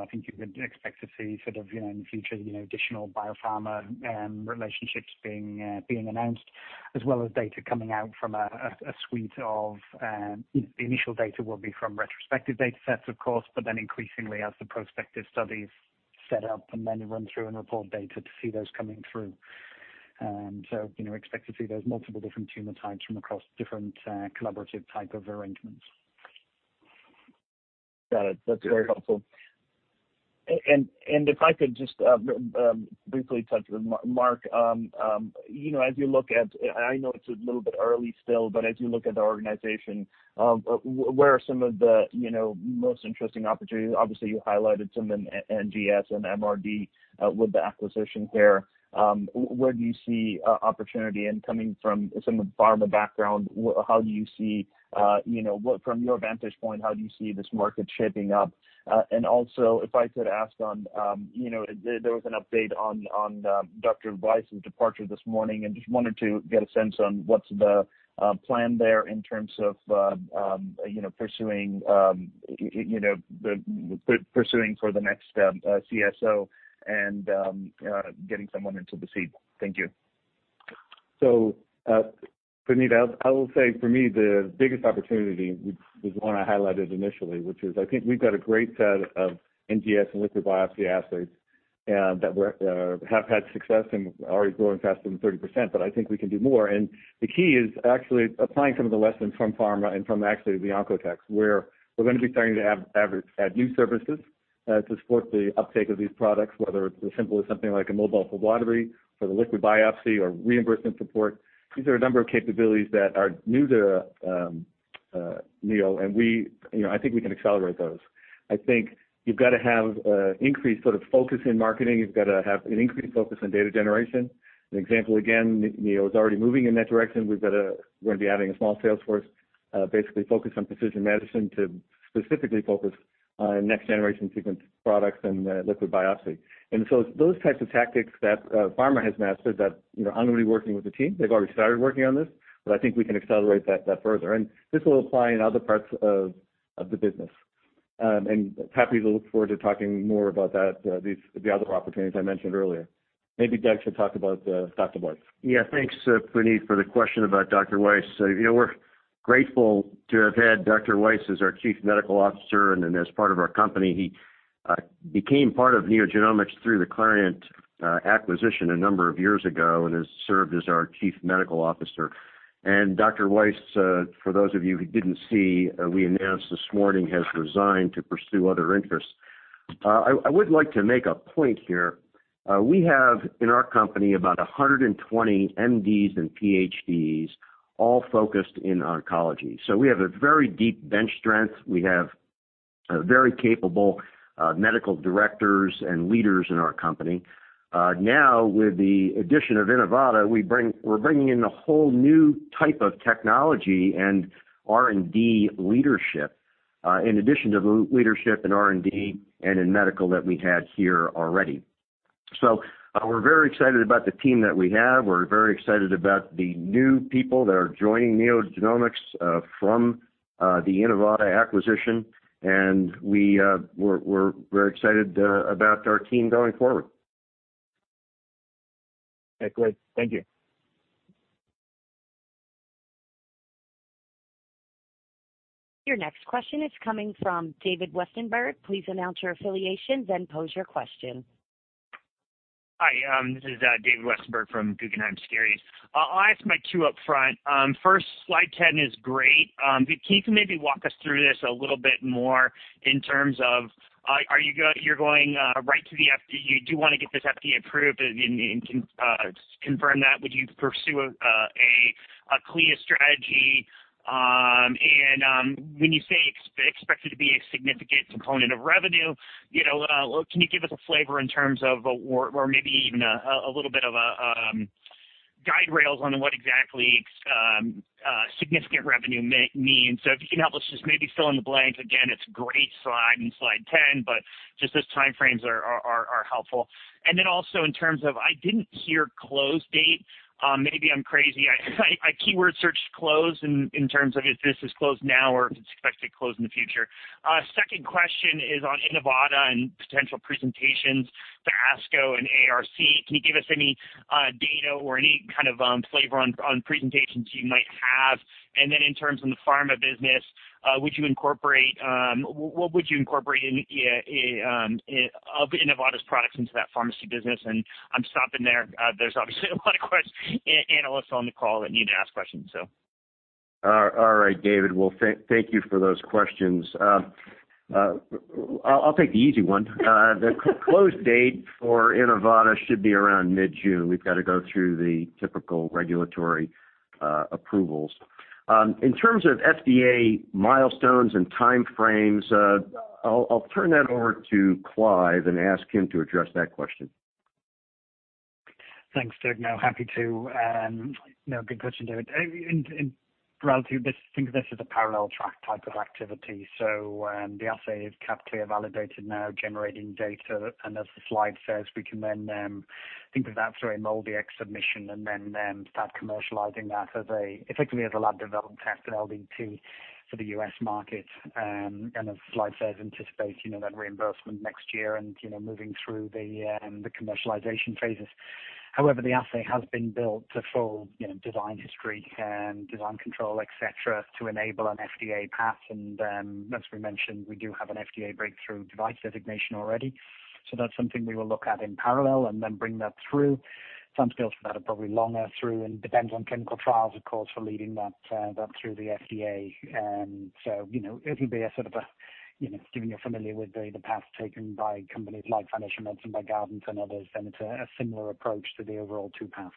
I think you would expect to see in the future, additional biopharma relationships being announced as well as data coming out. The initial data will be from retrospective data sets, of course, but then increasingly as the prospective studies set up and then run through and report data to see those coming through. Expect to see those multiple different tumor types from across different collaborative type of arrangements.
Got it. That's very helpful. If I could just briefly touch with Mark. As you look at, I know it's a little bit early still, but as you look at the organization, where are some of the most interesting opportunities? Obviously, you highlighted some in NGS and MRD with the acquisition there. Where do you see opportunity? Coming from a pharma background, from your vantage point, how do you see this market shaping up? Also if I could ask on, there was an update on Dr. Weiss's departure this morning, and just wanted to get a sense on what's the plan there in terms of pursuing for the next CSO and getting someone into the seat. Thank you.
Puneet, I will say for me, the biggest opportunity was the one I highlighted initially, which is, I think we've got a great set of NGS and liquid biopsy assays that have had success and already growing faster than 30%. I think we can do more. The key is actually applying some of the lessons from pharma and from actually the Oncotech, where we're going to be starting to add new services to support the uptake of these products, whether it's as simple as something like a mobile phlebotomy for the liquid biopsy or reimbursement support. These are a number of capabilities that are new to Neo. I think we can accelerate those. I think you've got to have increased focus in marketing. You've got to have an increased focus on data generation. An example again, Neo is already moving in that direction. We're going to be adding a small sales force, basically focused on precision medicine to specifically focus on next-generation sequencing products and liquid biopsy. Those types of tactics that pharma has mastered that I'm going to be working with the team. They've already started working on this, but I think we can accelerate that further, and this will apply in other parts of the business. Happy to look forward to talking more about that, the other opportunities I mentioned earlier. Maybe Doug should talk about Dr. Weiss.
Yeah, thanks, Puneet, for the question about Dr. Weiss. We're grateful to have had Dr. Weiss as our Chief Medical Officer and as part of our company. He became part of NeoGenomics through the Clarient acquisition a number of years ago and has served as our Chief Medical Officer. Dr. Weiss, for those of you who didn't see, we announced this morning, has resigned to pursue other interests. I would like to make a point here. We have in our company about 120 MDs and PhDs, all focused in oncology. We have a very deep bench strength. We have very capable medical directors and leaders in our company. Now, with the addition of Inivata, we're bringing in a whole new type of technology and R&D leadership, in addition to the leadership in R&D and in medical that we had here already. We're very excited about the team that we have. We're very excited about the new people that are joining NeoGenomics from the Inivata acquisition, and we're excited about our team going forward.
Great. Thank you.
Your next question is coming from David Westenberg. Please announce your affiliations and pose your question.
Hi, this is David Westenberg from Guggenheim Securities. I'll ask my two up front. First, slide 10 is great. Can you maybe walk us through this a little bit more in terms of you're going right to the FDA, you do want to get this FDA approved and can confirm that. Would you pursue a CLIA strategy? When you say expected to be a significant component of revenue, can you give us a flavor in terms of, or maybe even a little bit of a guiderails on what exactly significant revenue means? If you can help us just maybe fill in the blanks. Again, it's great slide in slide 10, but just those time frames are helpful. In terms of, I didn't hear close date, maybe I'm crazy. I keyword searched close in terms of if this is closed now or if it's expected to close in the future. Second question is on Inivata and potential presentations to ASCO and AACR. Can you give us any data or any kind of flavor on presentations you might have? Then in terms of the pharma business, what would you incorporate of Inivata's products into that pharma business? I'm stopping there. There's obviously a lot of analysts on the call that need to ask questions.
All right, David. Well, thank you for those questions. I'll take the easy one. The close date for Inivata should be around mid-June. We've got to go through the typical regulatory approvals. In terms of FDA milestones and time frames, I'll turn that over to Clive and ask him to address that question.
Thanks, Doug. No, happy to. No, good question, David. In relative, think of this as a parallel track type of activity. The assay is CAP/CLIA validated now generating data, and as the slide says, we can then think of that through a MolDX submission and then start commercializing that effectively as a lab development test, an LDT for the U.S. market. As the slide says, anticipate that reimbursement next year and moving through the commercialization phases. However, the assay has been built to full design history and design control, et cetera, to enable an FDA path. As we mentioned, we do have an FDA Breakthrough Device designation already. That's something we will look at in parallel and then bring that through. Timescales for that are probably longer through, and depends on clinical trials, of course, for leading that through the FDA. It'll be a sort of, given you're familiar with the path taken by companies like Foundation Medicine, by Guardant and others, then it's a similar approach to the overall two paths.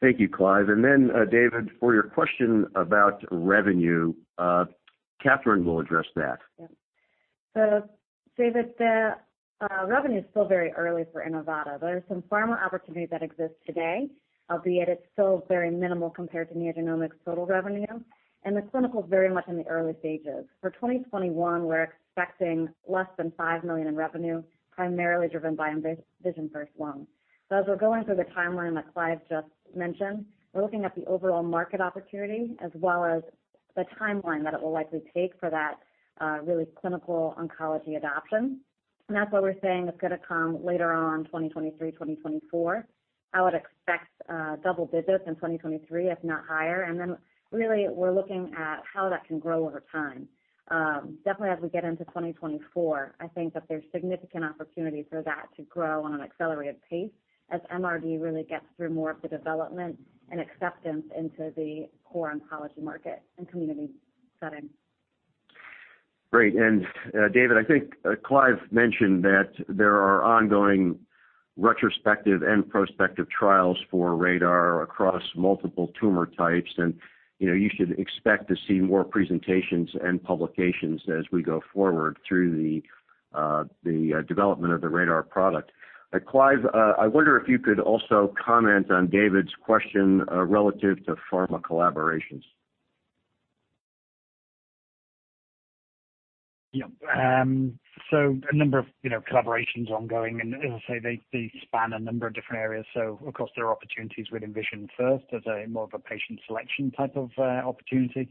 Thank you, Clive. David, for your question about revenue, Kathryn will address that.
Yeah. David, the revenue is still very early for Inivata. There are some pharma opportunities that exist today, albeit it's still very minimal compared to NeoGenomics' total revenue, and the clinical's very much in the early stages. For 2021, we're expecting less than $5 million in revenue, primarily driven by InVisionFirst-Lung. As we're going through the timeline that Clive just mentioned, we're looking at the overall market opportunity as well as the timeline that it will likely take for that really clinical oncology adoption. That's why we're saying it's going to come later on 2023, 2024. I would expect double digits in 2023, if not higher. Really we're looking at how that can grow over time. Definitely as we get into 2024, I think that there's significant opportunity for that to grow on an accelerated pace as MRD really gets through more of the development and acceptance into the core oncology market and community setting.
Great. David, I think Clive mentioned that there are ongoing retrospective and prospective trials for RaDaR across multiple tumor types, and you should expect to see more presentations and publications as we go forward through the development of the RaDaR product. Clive, I wonder if you could also comment on David's question relative to pharma collaborations.
Yeah. A number of collaborations ongoing, and as I say, they span a number of different areas. Of course, there are opportunities with InVisionFirst as a more of a patient selection type of opportunity.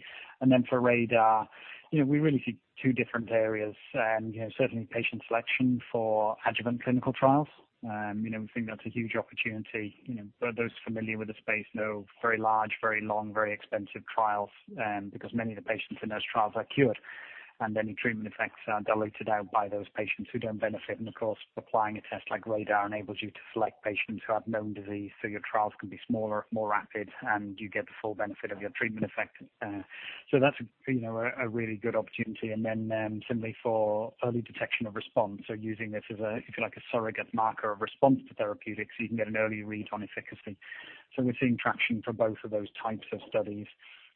For RaDaR, we really see two different areas, certainly patient selection for adjuvant clinical trials. We think that's a huge opportunity. For those familiar with the space know very large, very long, very expensive trials because many of the patients in those trials are cured. Any treatment effects are diluted out by those patients who don't benefit. Of course, applying a test like RaDaR enables you to select patients who have known disease, so your trials can be smaller, more rapid, and you get the full benefit of your treatment effect. That's a really good opportunity. Simply for early detection of response, so using this as a, if you like, a surrogate marker of response to therapeutics, so you can get an early read on efficacy. We're seeing traction for both of those types of studies.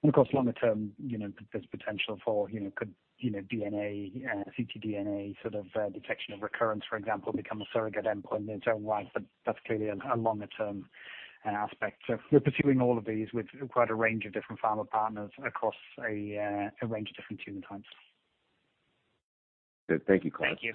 Of course, longer term, there's potential for ctDNA sort of detection of recurrence, for example, become a surrogate endpoint in its own right. That's clearly a longer-term aspect. We're pursuing all of these with quite a range of different pharma partners across a range of different tumor types.
Good. Thank you, Clive.
Thank you.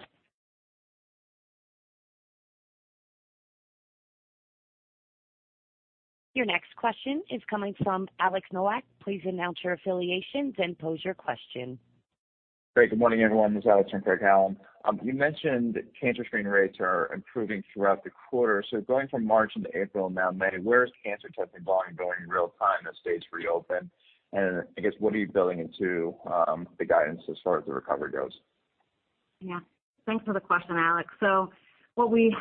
Your next question is coming from Alex Nowak. Please announce your affiliations and pose your question.
Great. Good morning, everyone. It's Alex from Craig-Hallum. You mentioned cancer screening rates are improving throughout the quarter. Going from March into April, and now May, where is cancer testing volume going in real time as states reopen? I guess, what are you building into the guidance as far as the recovery goes?
Yeah. Thanks for the question, Alex. What we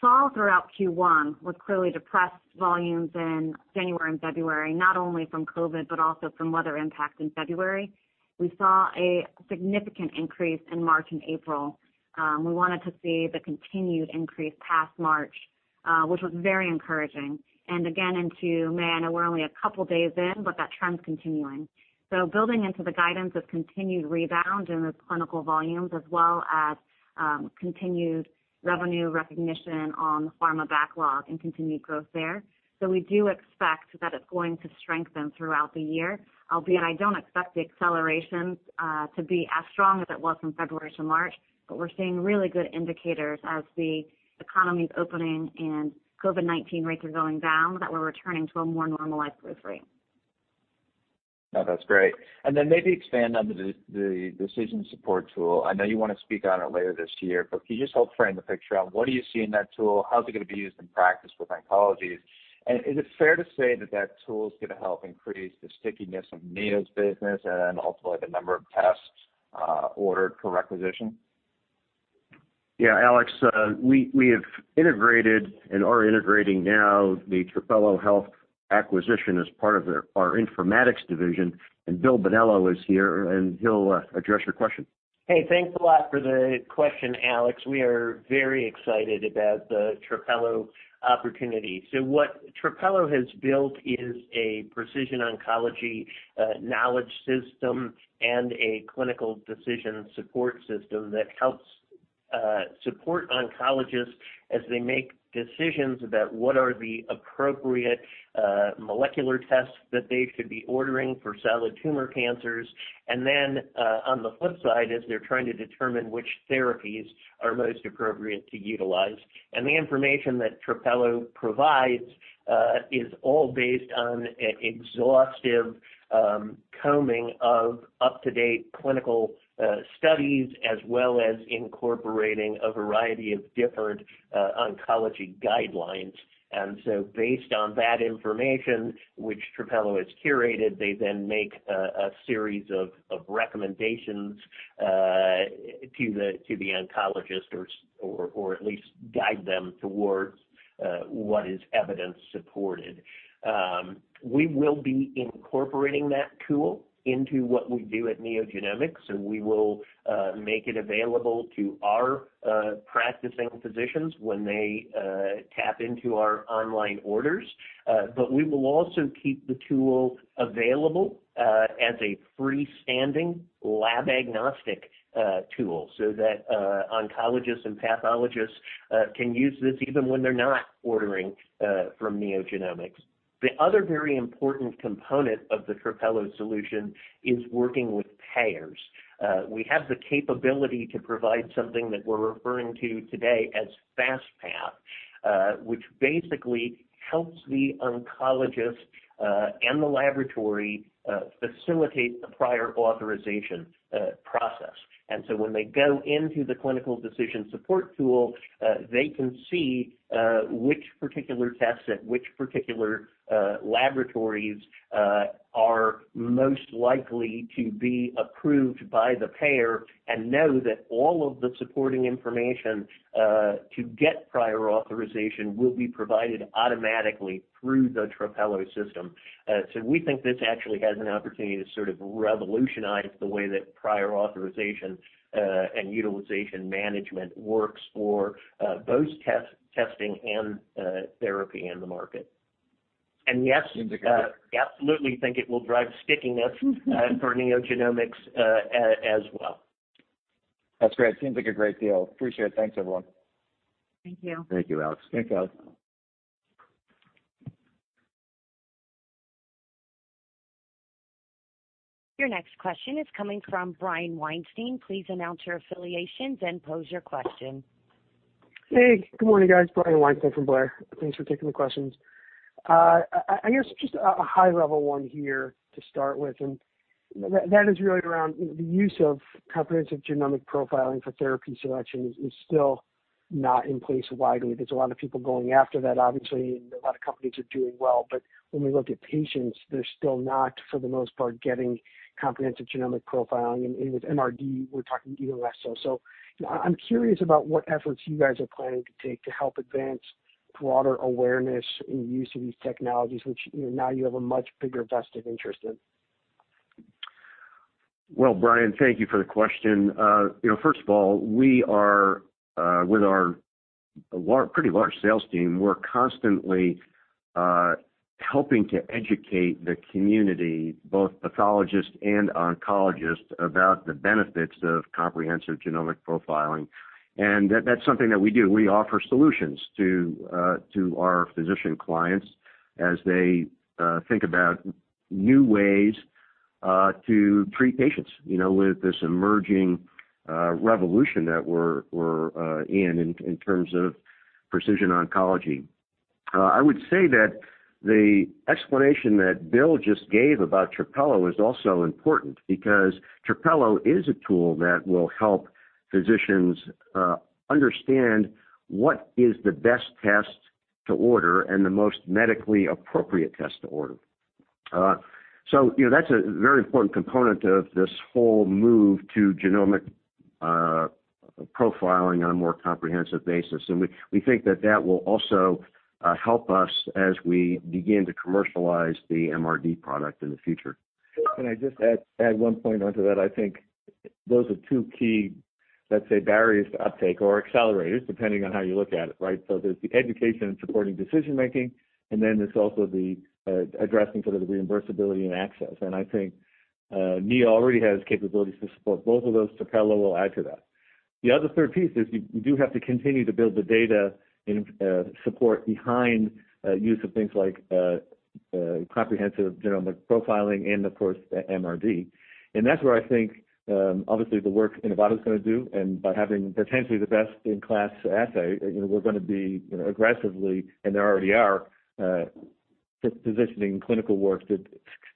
saw throughout Q1 was clearly depressed volumes in January and February, not only from COVID, but also from weather impact in February. We saw a significant increase in March and April. We wanted to see the continued increase past March, which was very encouraging. Again, into May, I know we're only a couple of days in, but that trend's continuing. Building into the guidance of continued rebound in the clinical volumes as well as continued revenue recognition on the pharma backlog and continued growth there. We do expect that it's going to strengthen throughout the year, albeit I don't expect the accelerations to be as strong as it was from February to March. We're seeing really good indicators as the economy's opening and COVID-19 rates are going down, that we're returning to a more normalized growth rate.
No, that's great. Then maybe expand on the decision support tool. I know you want to speak on it later this year, but can you just help frame the picture out? What do you see in that tool? How's it going to be used in practice with oncologists? Is it fair to say that tool's going to help increase the stickiness of Neo's business and ultimately the number of tests ordered per requisition?
Yeah, Alex, we have integrated and are integrating now the Trapelo Health acquisition as part of our Informatics Division, and Bill Bonello is here, and he'll address your question.
Hey, thanks a lot for the question, Alex. We are very excited about the Trapelo opportunity. What Trapelo has built is a precision oncology knowledge system and a clinical decision support system that helps support oncologists as they make decisions about what are the appropriate molecular tests that they should be ordering for solid tumor cancers, and then, on the flip side, as they're trying to determine which therapies are most appropriate to utilize. The information that Trapelo provides is all based on an exhaustive combing of up-to-date clinical studies, as well as incorporating a variety of different oncology guidelines. Based on that information, which Trapelo has curated, they then make a series of recommendations to the oncologist or at least guide them towards what is evidence-supported. We will be incorporating that tool into what we do at NeoGenomics, and we will make it available to our practicing physicians when they tap into our online orders. We will also keep the tool available as a freestanding lab-agnostic tool so that oncologists and pathologists can use this even when they're not ordering from NeoGenomics. The other very important component of the Trapelo solution is working with payers. We have the capability to provide something that we're referring to today as FastPath, which basically helps the oncologist and the laboratory facilitate the prior authorization process. When they go into the clinical decision support tool, they can see which particular tests at which particular laboratories are most likely to be approved by the payer and know that all of the supporting information to get prior authorization will be provided automatically through the Trapelo system. We think this actually has an opportunity to sort of revolutionize the way that prior authorization and utilization management works for both testing and therapy in the market.
Seems like a great-
Absolutely think it will drive stickiness for NeoGenomics as well.
That's great. Seems like a great deal. Appreciate it. Thanks, everyone.
Thank you.
Thank you, Alex.
Thanks, Alex.
Your next question is coming from Brian Weinstein. Please announce your affiliations and pose your question.
Hey, good morning, guys. Brian Weinstein from Blair. Thanks for taking the questions. I guess just a high-level one here to start with, that is really around the use of comprehensive genomic profiling for therapy selection is still not in place widely. There's a lot of people going after that, obviously, a lot of companies are doing well, when we look at patients, they're still not, for the most part, getting comprehensive genomic profiling, with MRD, we're talking even less so. I'm curious about what efforts you guys are planning to take to help advance broader awareness in use of these technologies, which now you have a much bigger vested interest in.
Well, Brian, thank you for the question. First of all, with our pretty large sales team, we're constantly helping to educate the community, both pathologists and oncologists, about the benefits of comprehensive genomic profiling. That's something that we do. We offer solutions to our physician clients as they think about new ways to treat patients with this emerging revolution that we're in terms of precision oncology. I would say that the explanation that Bill just gave about Trapelo is also important because Trapelo is a tool that will help physicians understand what is the best test to order and the most medically appropriate test to order. That's a very important component of this whole move to genomic profiling on a more comprehensive basis, and we think that that will also help us as we begin to commercialize the MRD product in the future.
Can I just add one point onto that? I think those are two key, let's say, barriers to uptake or accelerators, depending on how you look at it, right? There's the education and supporting decision-making, and then there's also the addressing the reimbursability and access. I think Neo already has capabilities to support both of those. Trapelo will add to that. The other third piece is you do have to continue to build the data in support behind use of things like comprehensive genomic profiling and of course, MRD. That's where I think, obviously, the work Inivata's going to do, and by having potentially the best-in-class assay, we're going to be aggressively, and they already are, positioning clinical work to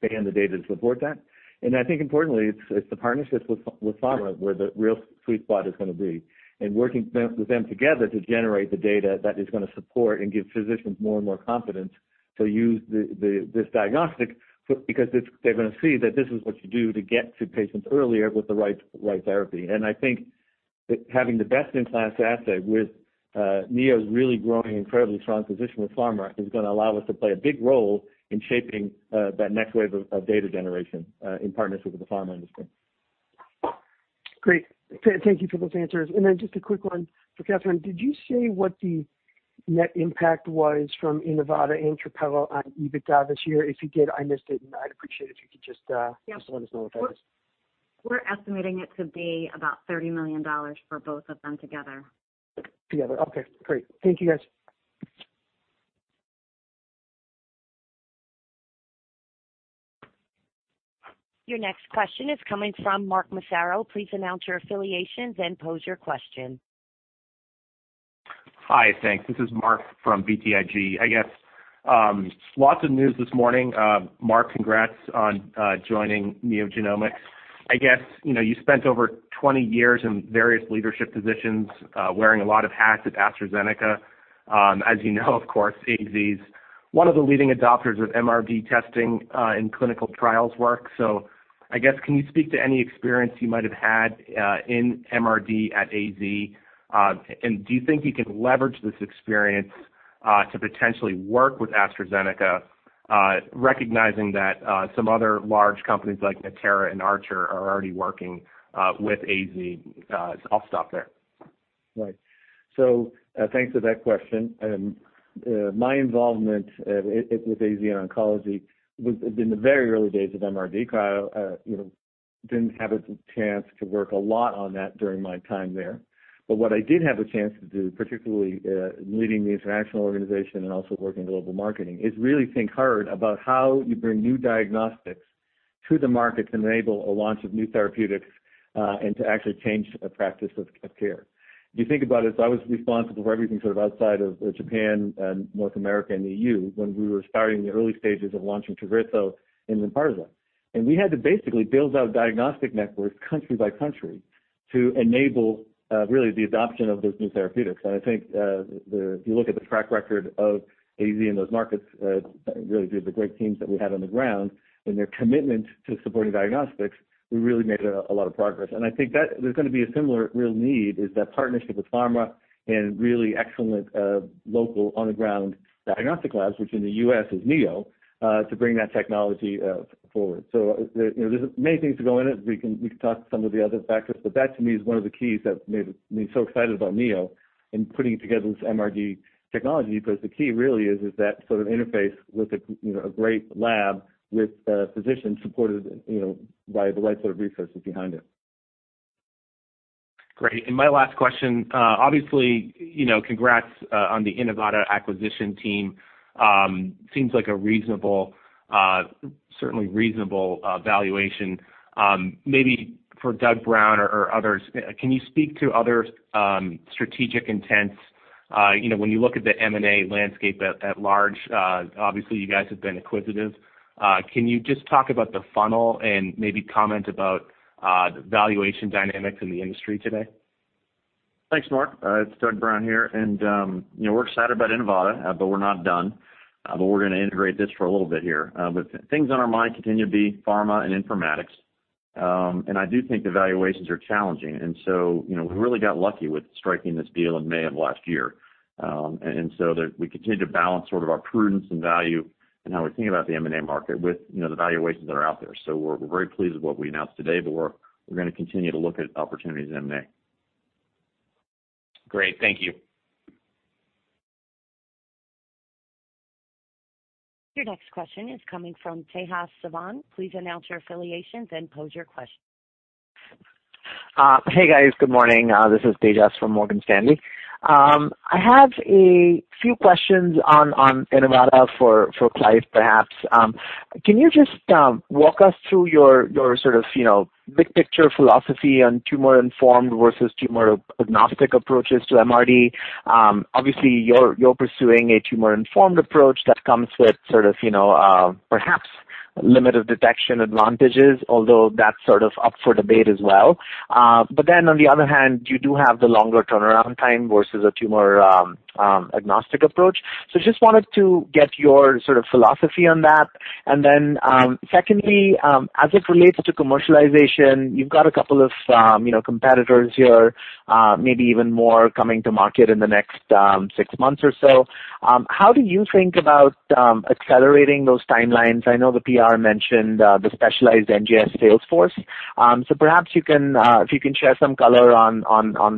expand the data to support that. I think importantly, it's the partnerships with pharma where the real sweet spot is going to be, and working with them together to generate the data that is going to support and give physicians more and more confidence. To use this diagnostic, because they're going to see that this is what you do to get to patients earlier with the right therapy. I think that having the best-in-class assay with Neo's really growing incredibly strong position with pharma is going to allow us to play a big role in shaping that next wave of data generation, in partnership with the pharma industry.
Great. Thank you for those answers. Just a quick one for Kathryn, did you say what the net impact was from Inivata and Trapelo on EBITDA this year? If you did, I missed it, and I'd appreciate if you could.
Yes
just let us know what that is.
We're estimating it to be about $30 million for both of them together.
Together. Okay, great. Thank you, guys.
Your next question is coming from Mark Massaro. Please announce your affiliations and pose your question.
Hi, thanks. This is Mark from BTIG. Lots of news this morning. Mark, congrats on joining NeoGenomics. You spent over 20 years in various leadership positions, wearing a lot of hats at AstraZeneca. As you know, of course, AZ's one of the leading adopters of MRD testing, in clinical trials work. Can you speak to any experience you might have had, in MRD at AZ? Do you think you can leverage this experience to potentially work with AstraZeneca, recognizing that some other large companies like Natera and ArcherDX are already working with AZ? I'll stop there.
Right. Thanks for that question. My involvement with AZ in oncology was in the very early days of MRD. I didn't have a chance to work a lot on that during my time there. What I did have a chance to do, particularly leading the international organization and also working global marketing, is really think hard about how you bring new diagnostics to the market to enable a launch of new therapeutics, and to actually change a practice of care. If you think about it, I was responsible for everything sort of outside of Japan and North America and EU when we were starting the early stages of launching TAGRISSO and Lenvima. We had to basically build out diagnostic networks country by country to enable, really the adoption of those new therapeutics. I think, if you look at the track record of AZ in those markets, really the great teams that we had on the ground and their commitment to supporting diagnostics, we really made a lot of progress. I think there's going to be a similar real need, is that partnership with pharma and really excellent local on-the-ground diagnostic labs, which in the U.S. is Neo, to bring that technology forward. There's many things to go in it. We can talk to some of the other factors, but that to me is one of the keys that made me so excited about Neo and putting together this MRD technology, because the key really is that sort of interface with a great lab with a physician supported by the right sort of resources behind it.
Great. My last question, obviously, congrats, on the Inivata acquisition team. Seems like a reasonable, certainly reasonable valuation. Maybe for Doug Brown or others, can you speak to other strategic intents when you look at the M&A landscape at large? Obviously, you guys have been acquisitive. Can you just talk about the funnel and maybe comment about valuation dynamics in the industry today?
Thanks, Mark. It's Doug Brown here, and we're excited about Inivata, but we're not done. We're going to integrate this for a little bit here. Things on our mind continue to be pharma and informatics. I do think the valuations are challenging and so, we really got lucky with striking this deal in May of last year. We continue to balance sort of our prudence and value and how we think about the M&A market with the valuations that are out there. We're very pleased with what we announced today, but we're going to continue to look at opportunities in M&A.
Great. Thank you.
Your next question is coming from Tejas Savant. Please announce your affiliations and pose your question.
Hey, guys. Good morning. This is Tejas from Morgan Stanley. I have a few questions on Inivata for Clive, perhaps. Can you just walk us through your sort of big picture philosophy on tumor-informed versus tumor-agnostic approaches to MRD? Obviously, you're pursuing a tumor-informed approach that comes with sort of perhaps limited detection advantages, although that's sort of up for debate as well. On the other hand, you do have the longer turnaround time versus a tumor-agnostic approach. Just wanted to get your sort of philosophy on that. Secondly, as it relates to commercialization, you've got a couple of competitors here, maybe even more coming to market in the next six months or so. How do you think about accelerating those timelines? I know the PR mentioned the specialized NGS sales force. Perhaps if you can share some color on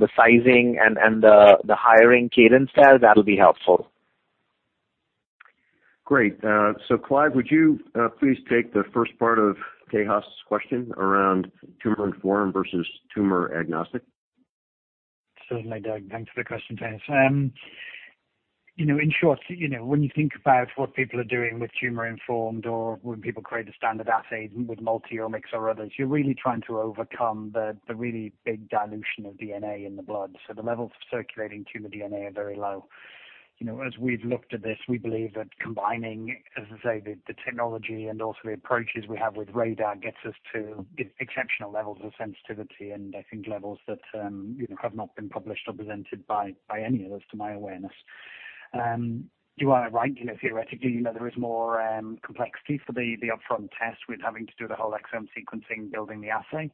the sizing and the hiring cadence there, that'll be helpful.
Clive, would you please take the first part of Tejas's question around tumor-informed versus tumor-agnostic?
Certainly, Doug, thanks for the question, Tejas. In short, when you think about what people are doing with tumor-informed or when people create a standard assay with multiomics or others, you're really trying to overcome the really big dilution of DNA in the blood. The levels of circulating tumor DNA are very low. As we've looked at this, we believe that combining, as I say, the technology and also the approaches we have with RaDaR gets us to exceptional levels of sensitivity and I think levels that have not been published or presented by any of us to my awareness. You are right, theoretically, there is more complexity for the upfront test with having to do the whole exome sequencing, building the assay.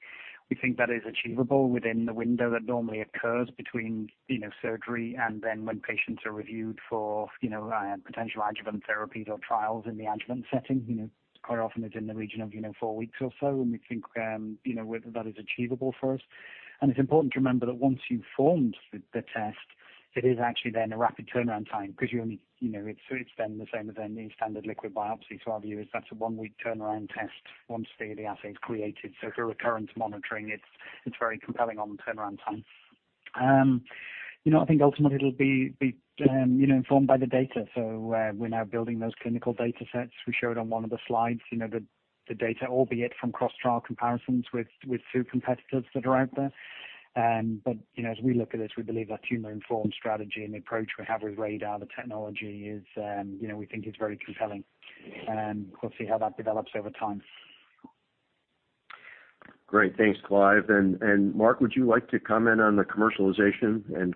We think that is achievable within the window that normally occurs between surgery and then when patients are reviewed for potential adjuvant therapies or trials in the adjuvant setting. Quite often it's in the region of four weeks or so, we think whether that is achievable for us. It's important to remember that once you've formed the test, it is actually then a rapid turnaround time because it's then the same as any standard liquid biopsy. Our view is that's a one-week turnaround test once the assay is created. For recurrence monitoring, it's very compelling on the turnaround time. I think ultimately it'll be informed by the data. We're now building those clinical data sets. We showed on one of the slides the data, albeit from cross-trial comparisons with two competitors that are out there. As we look at it, we believe our tumor-informed strategy and the approach we have with RaDaR, the technology is, we think it's very compelling, and we'll see how that develops over time.
Great. Thanks, Clive. Mark, would you like to comment on the commercialization and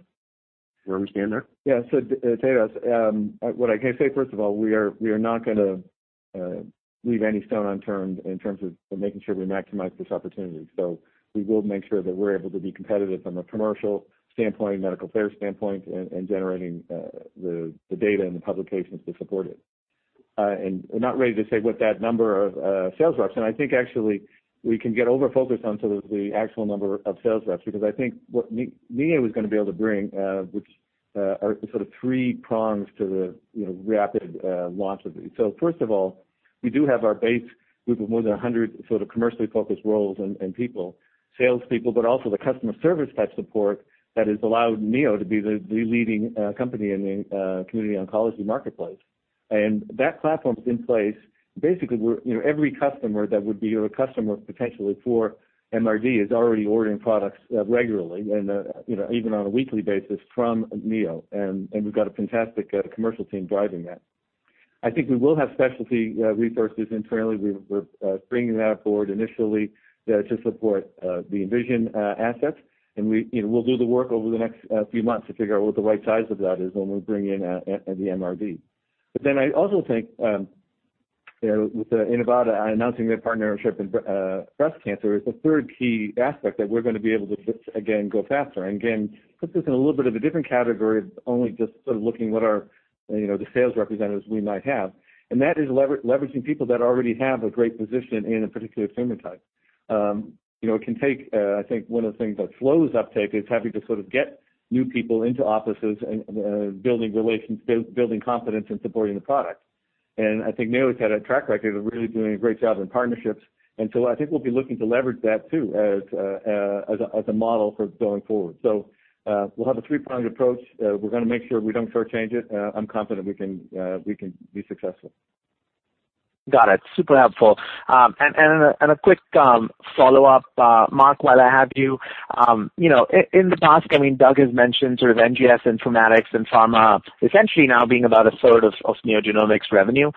where we stand there?
Tejas, what I can say, first of all, we are not going to leave any stone unturned in terms of making sure we maximize this opportunity. We will make sure that we're able to be competitive from a commercial standpoint, medical care standpoint, and generating the data and the publications to support it. We're not ready to say what that number of sales reps, and I think actually we can get over-focused on sort of the actual number of sales reps, because I think what Neo is going to be able to bring, which are the sort of three prongs to the rapid launch of these. First of all, we do have our base group of more than 100 sort of commercially focused roles and people, salespeople, but also the customer service type support that has allowed Neo to be the leading company in the community oncology marketplace. That platform's in place. Basically, every customer that would be a customer potentially for MRD is already ordering products regularly and even on a weekly basis from Neo. We've got a fantastic commercial team driving that. I think we will have specialty resources internally. We're bringing that aboard initially to support the InVision assets, and we'll do the work over the next few months to figure out what the right size of that is when we bring in the MRD. I also think, with Inivata announcing their partnership in breast cancer, is a third key aspect that we're going to be able to, again, go faster and again, put this in a little bit of a different category of only just sort of looking what are the sales representatives we might have. That is leveraging people that already have a great position in a particular tumor type. It can take, I think one of the things that slows uptake is having to sort of get new people into offices and building confidence in supporting the product. I think Neo's had a track record of really doing a great job in partnerships, and so I think we'll be looking to leverage that too as a model for going forward. We'll have a three-pronged approach. We're going to make sure we don't short-change it. I'm confident we can be successful.
Got it. Super helpful. A quick follow-up, Mark, while I have you. In the past, Doug has mentioned sort of NGS informatics and pharma essentially now being about a third of NeoGenomics revenue.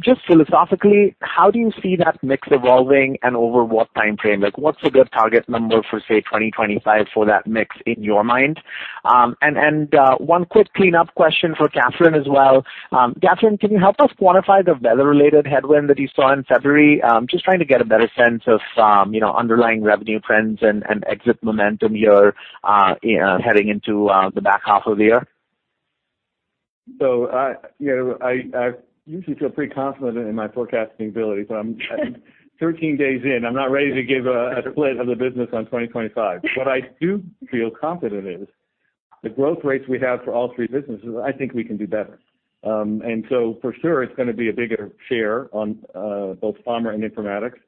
Just philosophically, how do you see that mix evolving and over what time frame? What's a good target number for, say, 2025 for that mix in your mind? One quick cleanup question for Kathryn as well. Kathryn, can you help us quantify the weather-related headwind that you saw in February? Just trying to get a better sense of underlying revenue trends and exit momentum here heading into the back half of the year.
I usually feel pretty confident in my forecasting ability, but I'm 13 days in, I'm not ready to give a split of the business on 2025. I do feel confident in is the growth rates we have for all three businesses, I think we can do better. For sure it's going to be a bigger share on both Pharma and Informatics.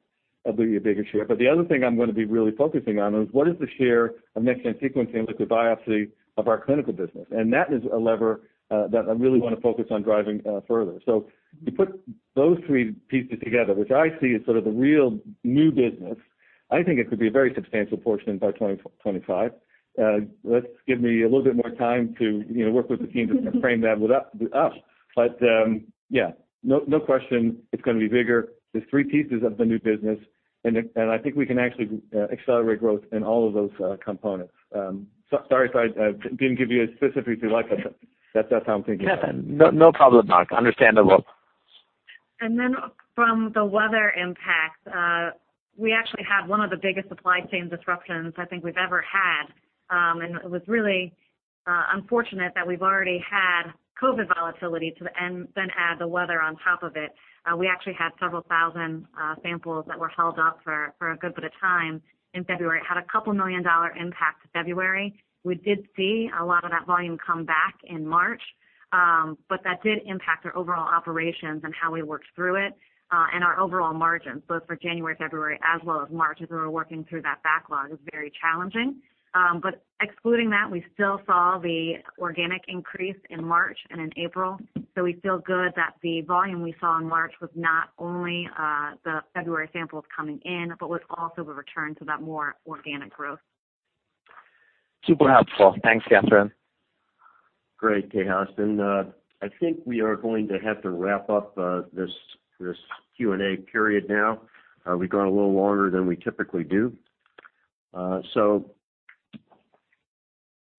I believe a bigger share. The other thing I'm going to be really focusing on is what is the share of next-gen sequencing and liquid biopsy of our clinical business. That is a lever that I really want to focus on driving further. You put those three pieces together, which I see as sort of the real new business. I think it could be a very substantial portion by 2025. Let's give me a little bit more time to work with the team to frame that with us. Yeah, no question it's going to be bigger. There's three pieces of the new business. I think we can actually accelerate growth in all of those components. Sorry if I didn't give you a specific to like. That's how I'm thinking about it.
No problem, Mark. Understandable.
Then from the weather impact, we actually had one of the biggest supply chain disruptions I think we've ever had. It was really unfortunate that we've already had COVID volatility, then add the weather on top of it. We actually had several thousand samples that were held up for a good bit of time in February. It had a couple million dollar impact to February. We did see a lot of that volume come back in March, but that did impact our overall operations and how we worked through it, and our overall margins, both for January, February as well as March, as we were working through that backlog. It was very challenging. Excluding that, we still saw the organic increase in March and in April. We feel good that the volume we saw in March was not only the February samples coming in, but was also the return to that more organic growth.
Super helpful. Thanks, Kathryn.
Great, Tejas. I think we are going to have to wrap up this Q&A period now. We've gone a little longer than we typically do.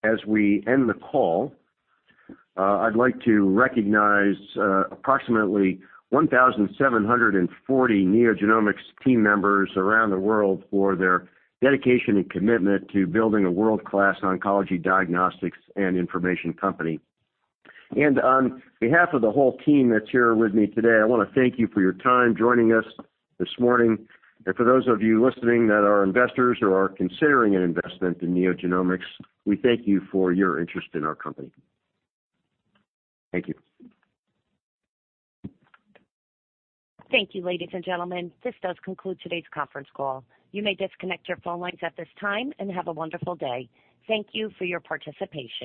As we end the call, I'd like to recognize approximately 1,740 NeoGenomics team members around the world for their dedication and commitment to building a world-class oncology, diagnostics, and information company. On behalf of the whole team that's here with me today, I want to thank you for your time joining us this morning. For those of you listening that are investors or are considering an investment in NeoGenomics, we thank you for your interest in our company. Thank you.
Thank you, ladies and gentlemen. This does conclude today's conference call. You may disconnect your phone lines at this time, and have a wonderful day. Thank you for your participation.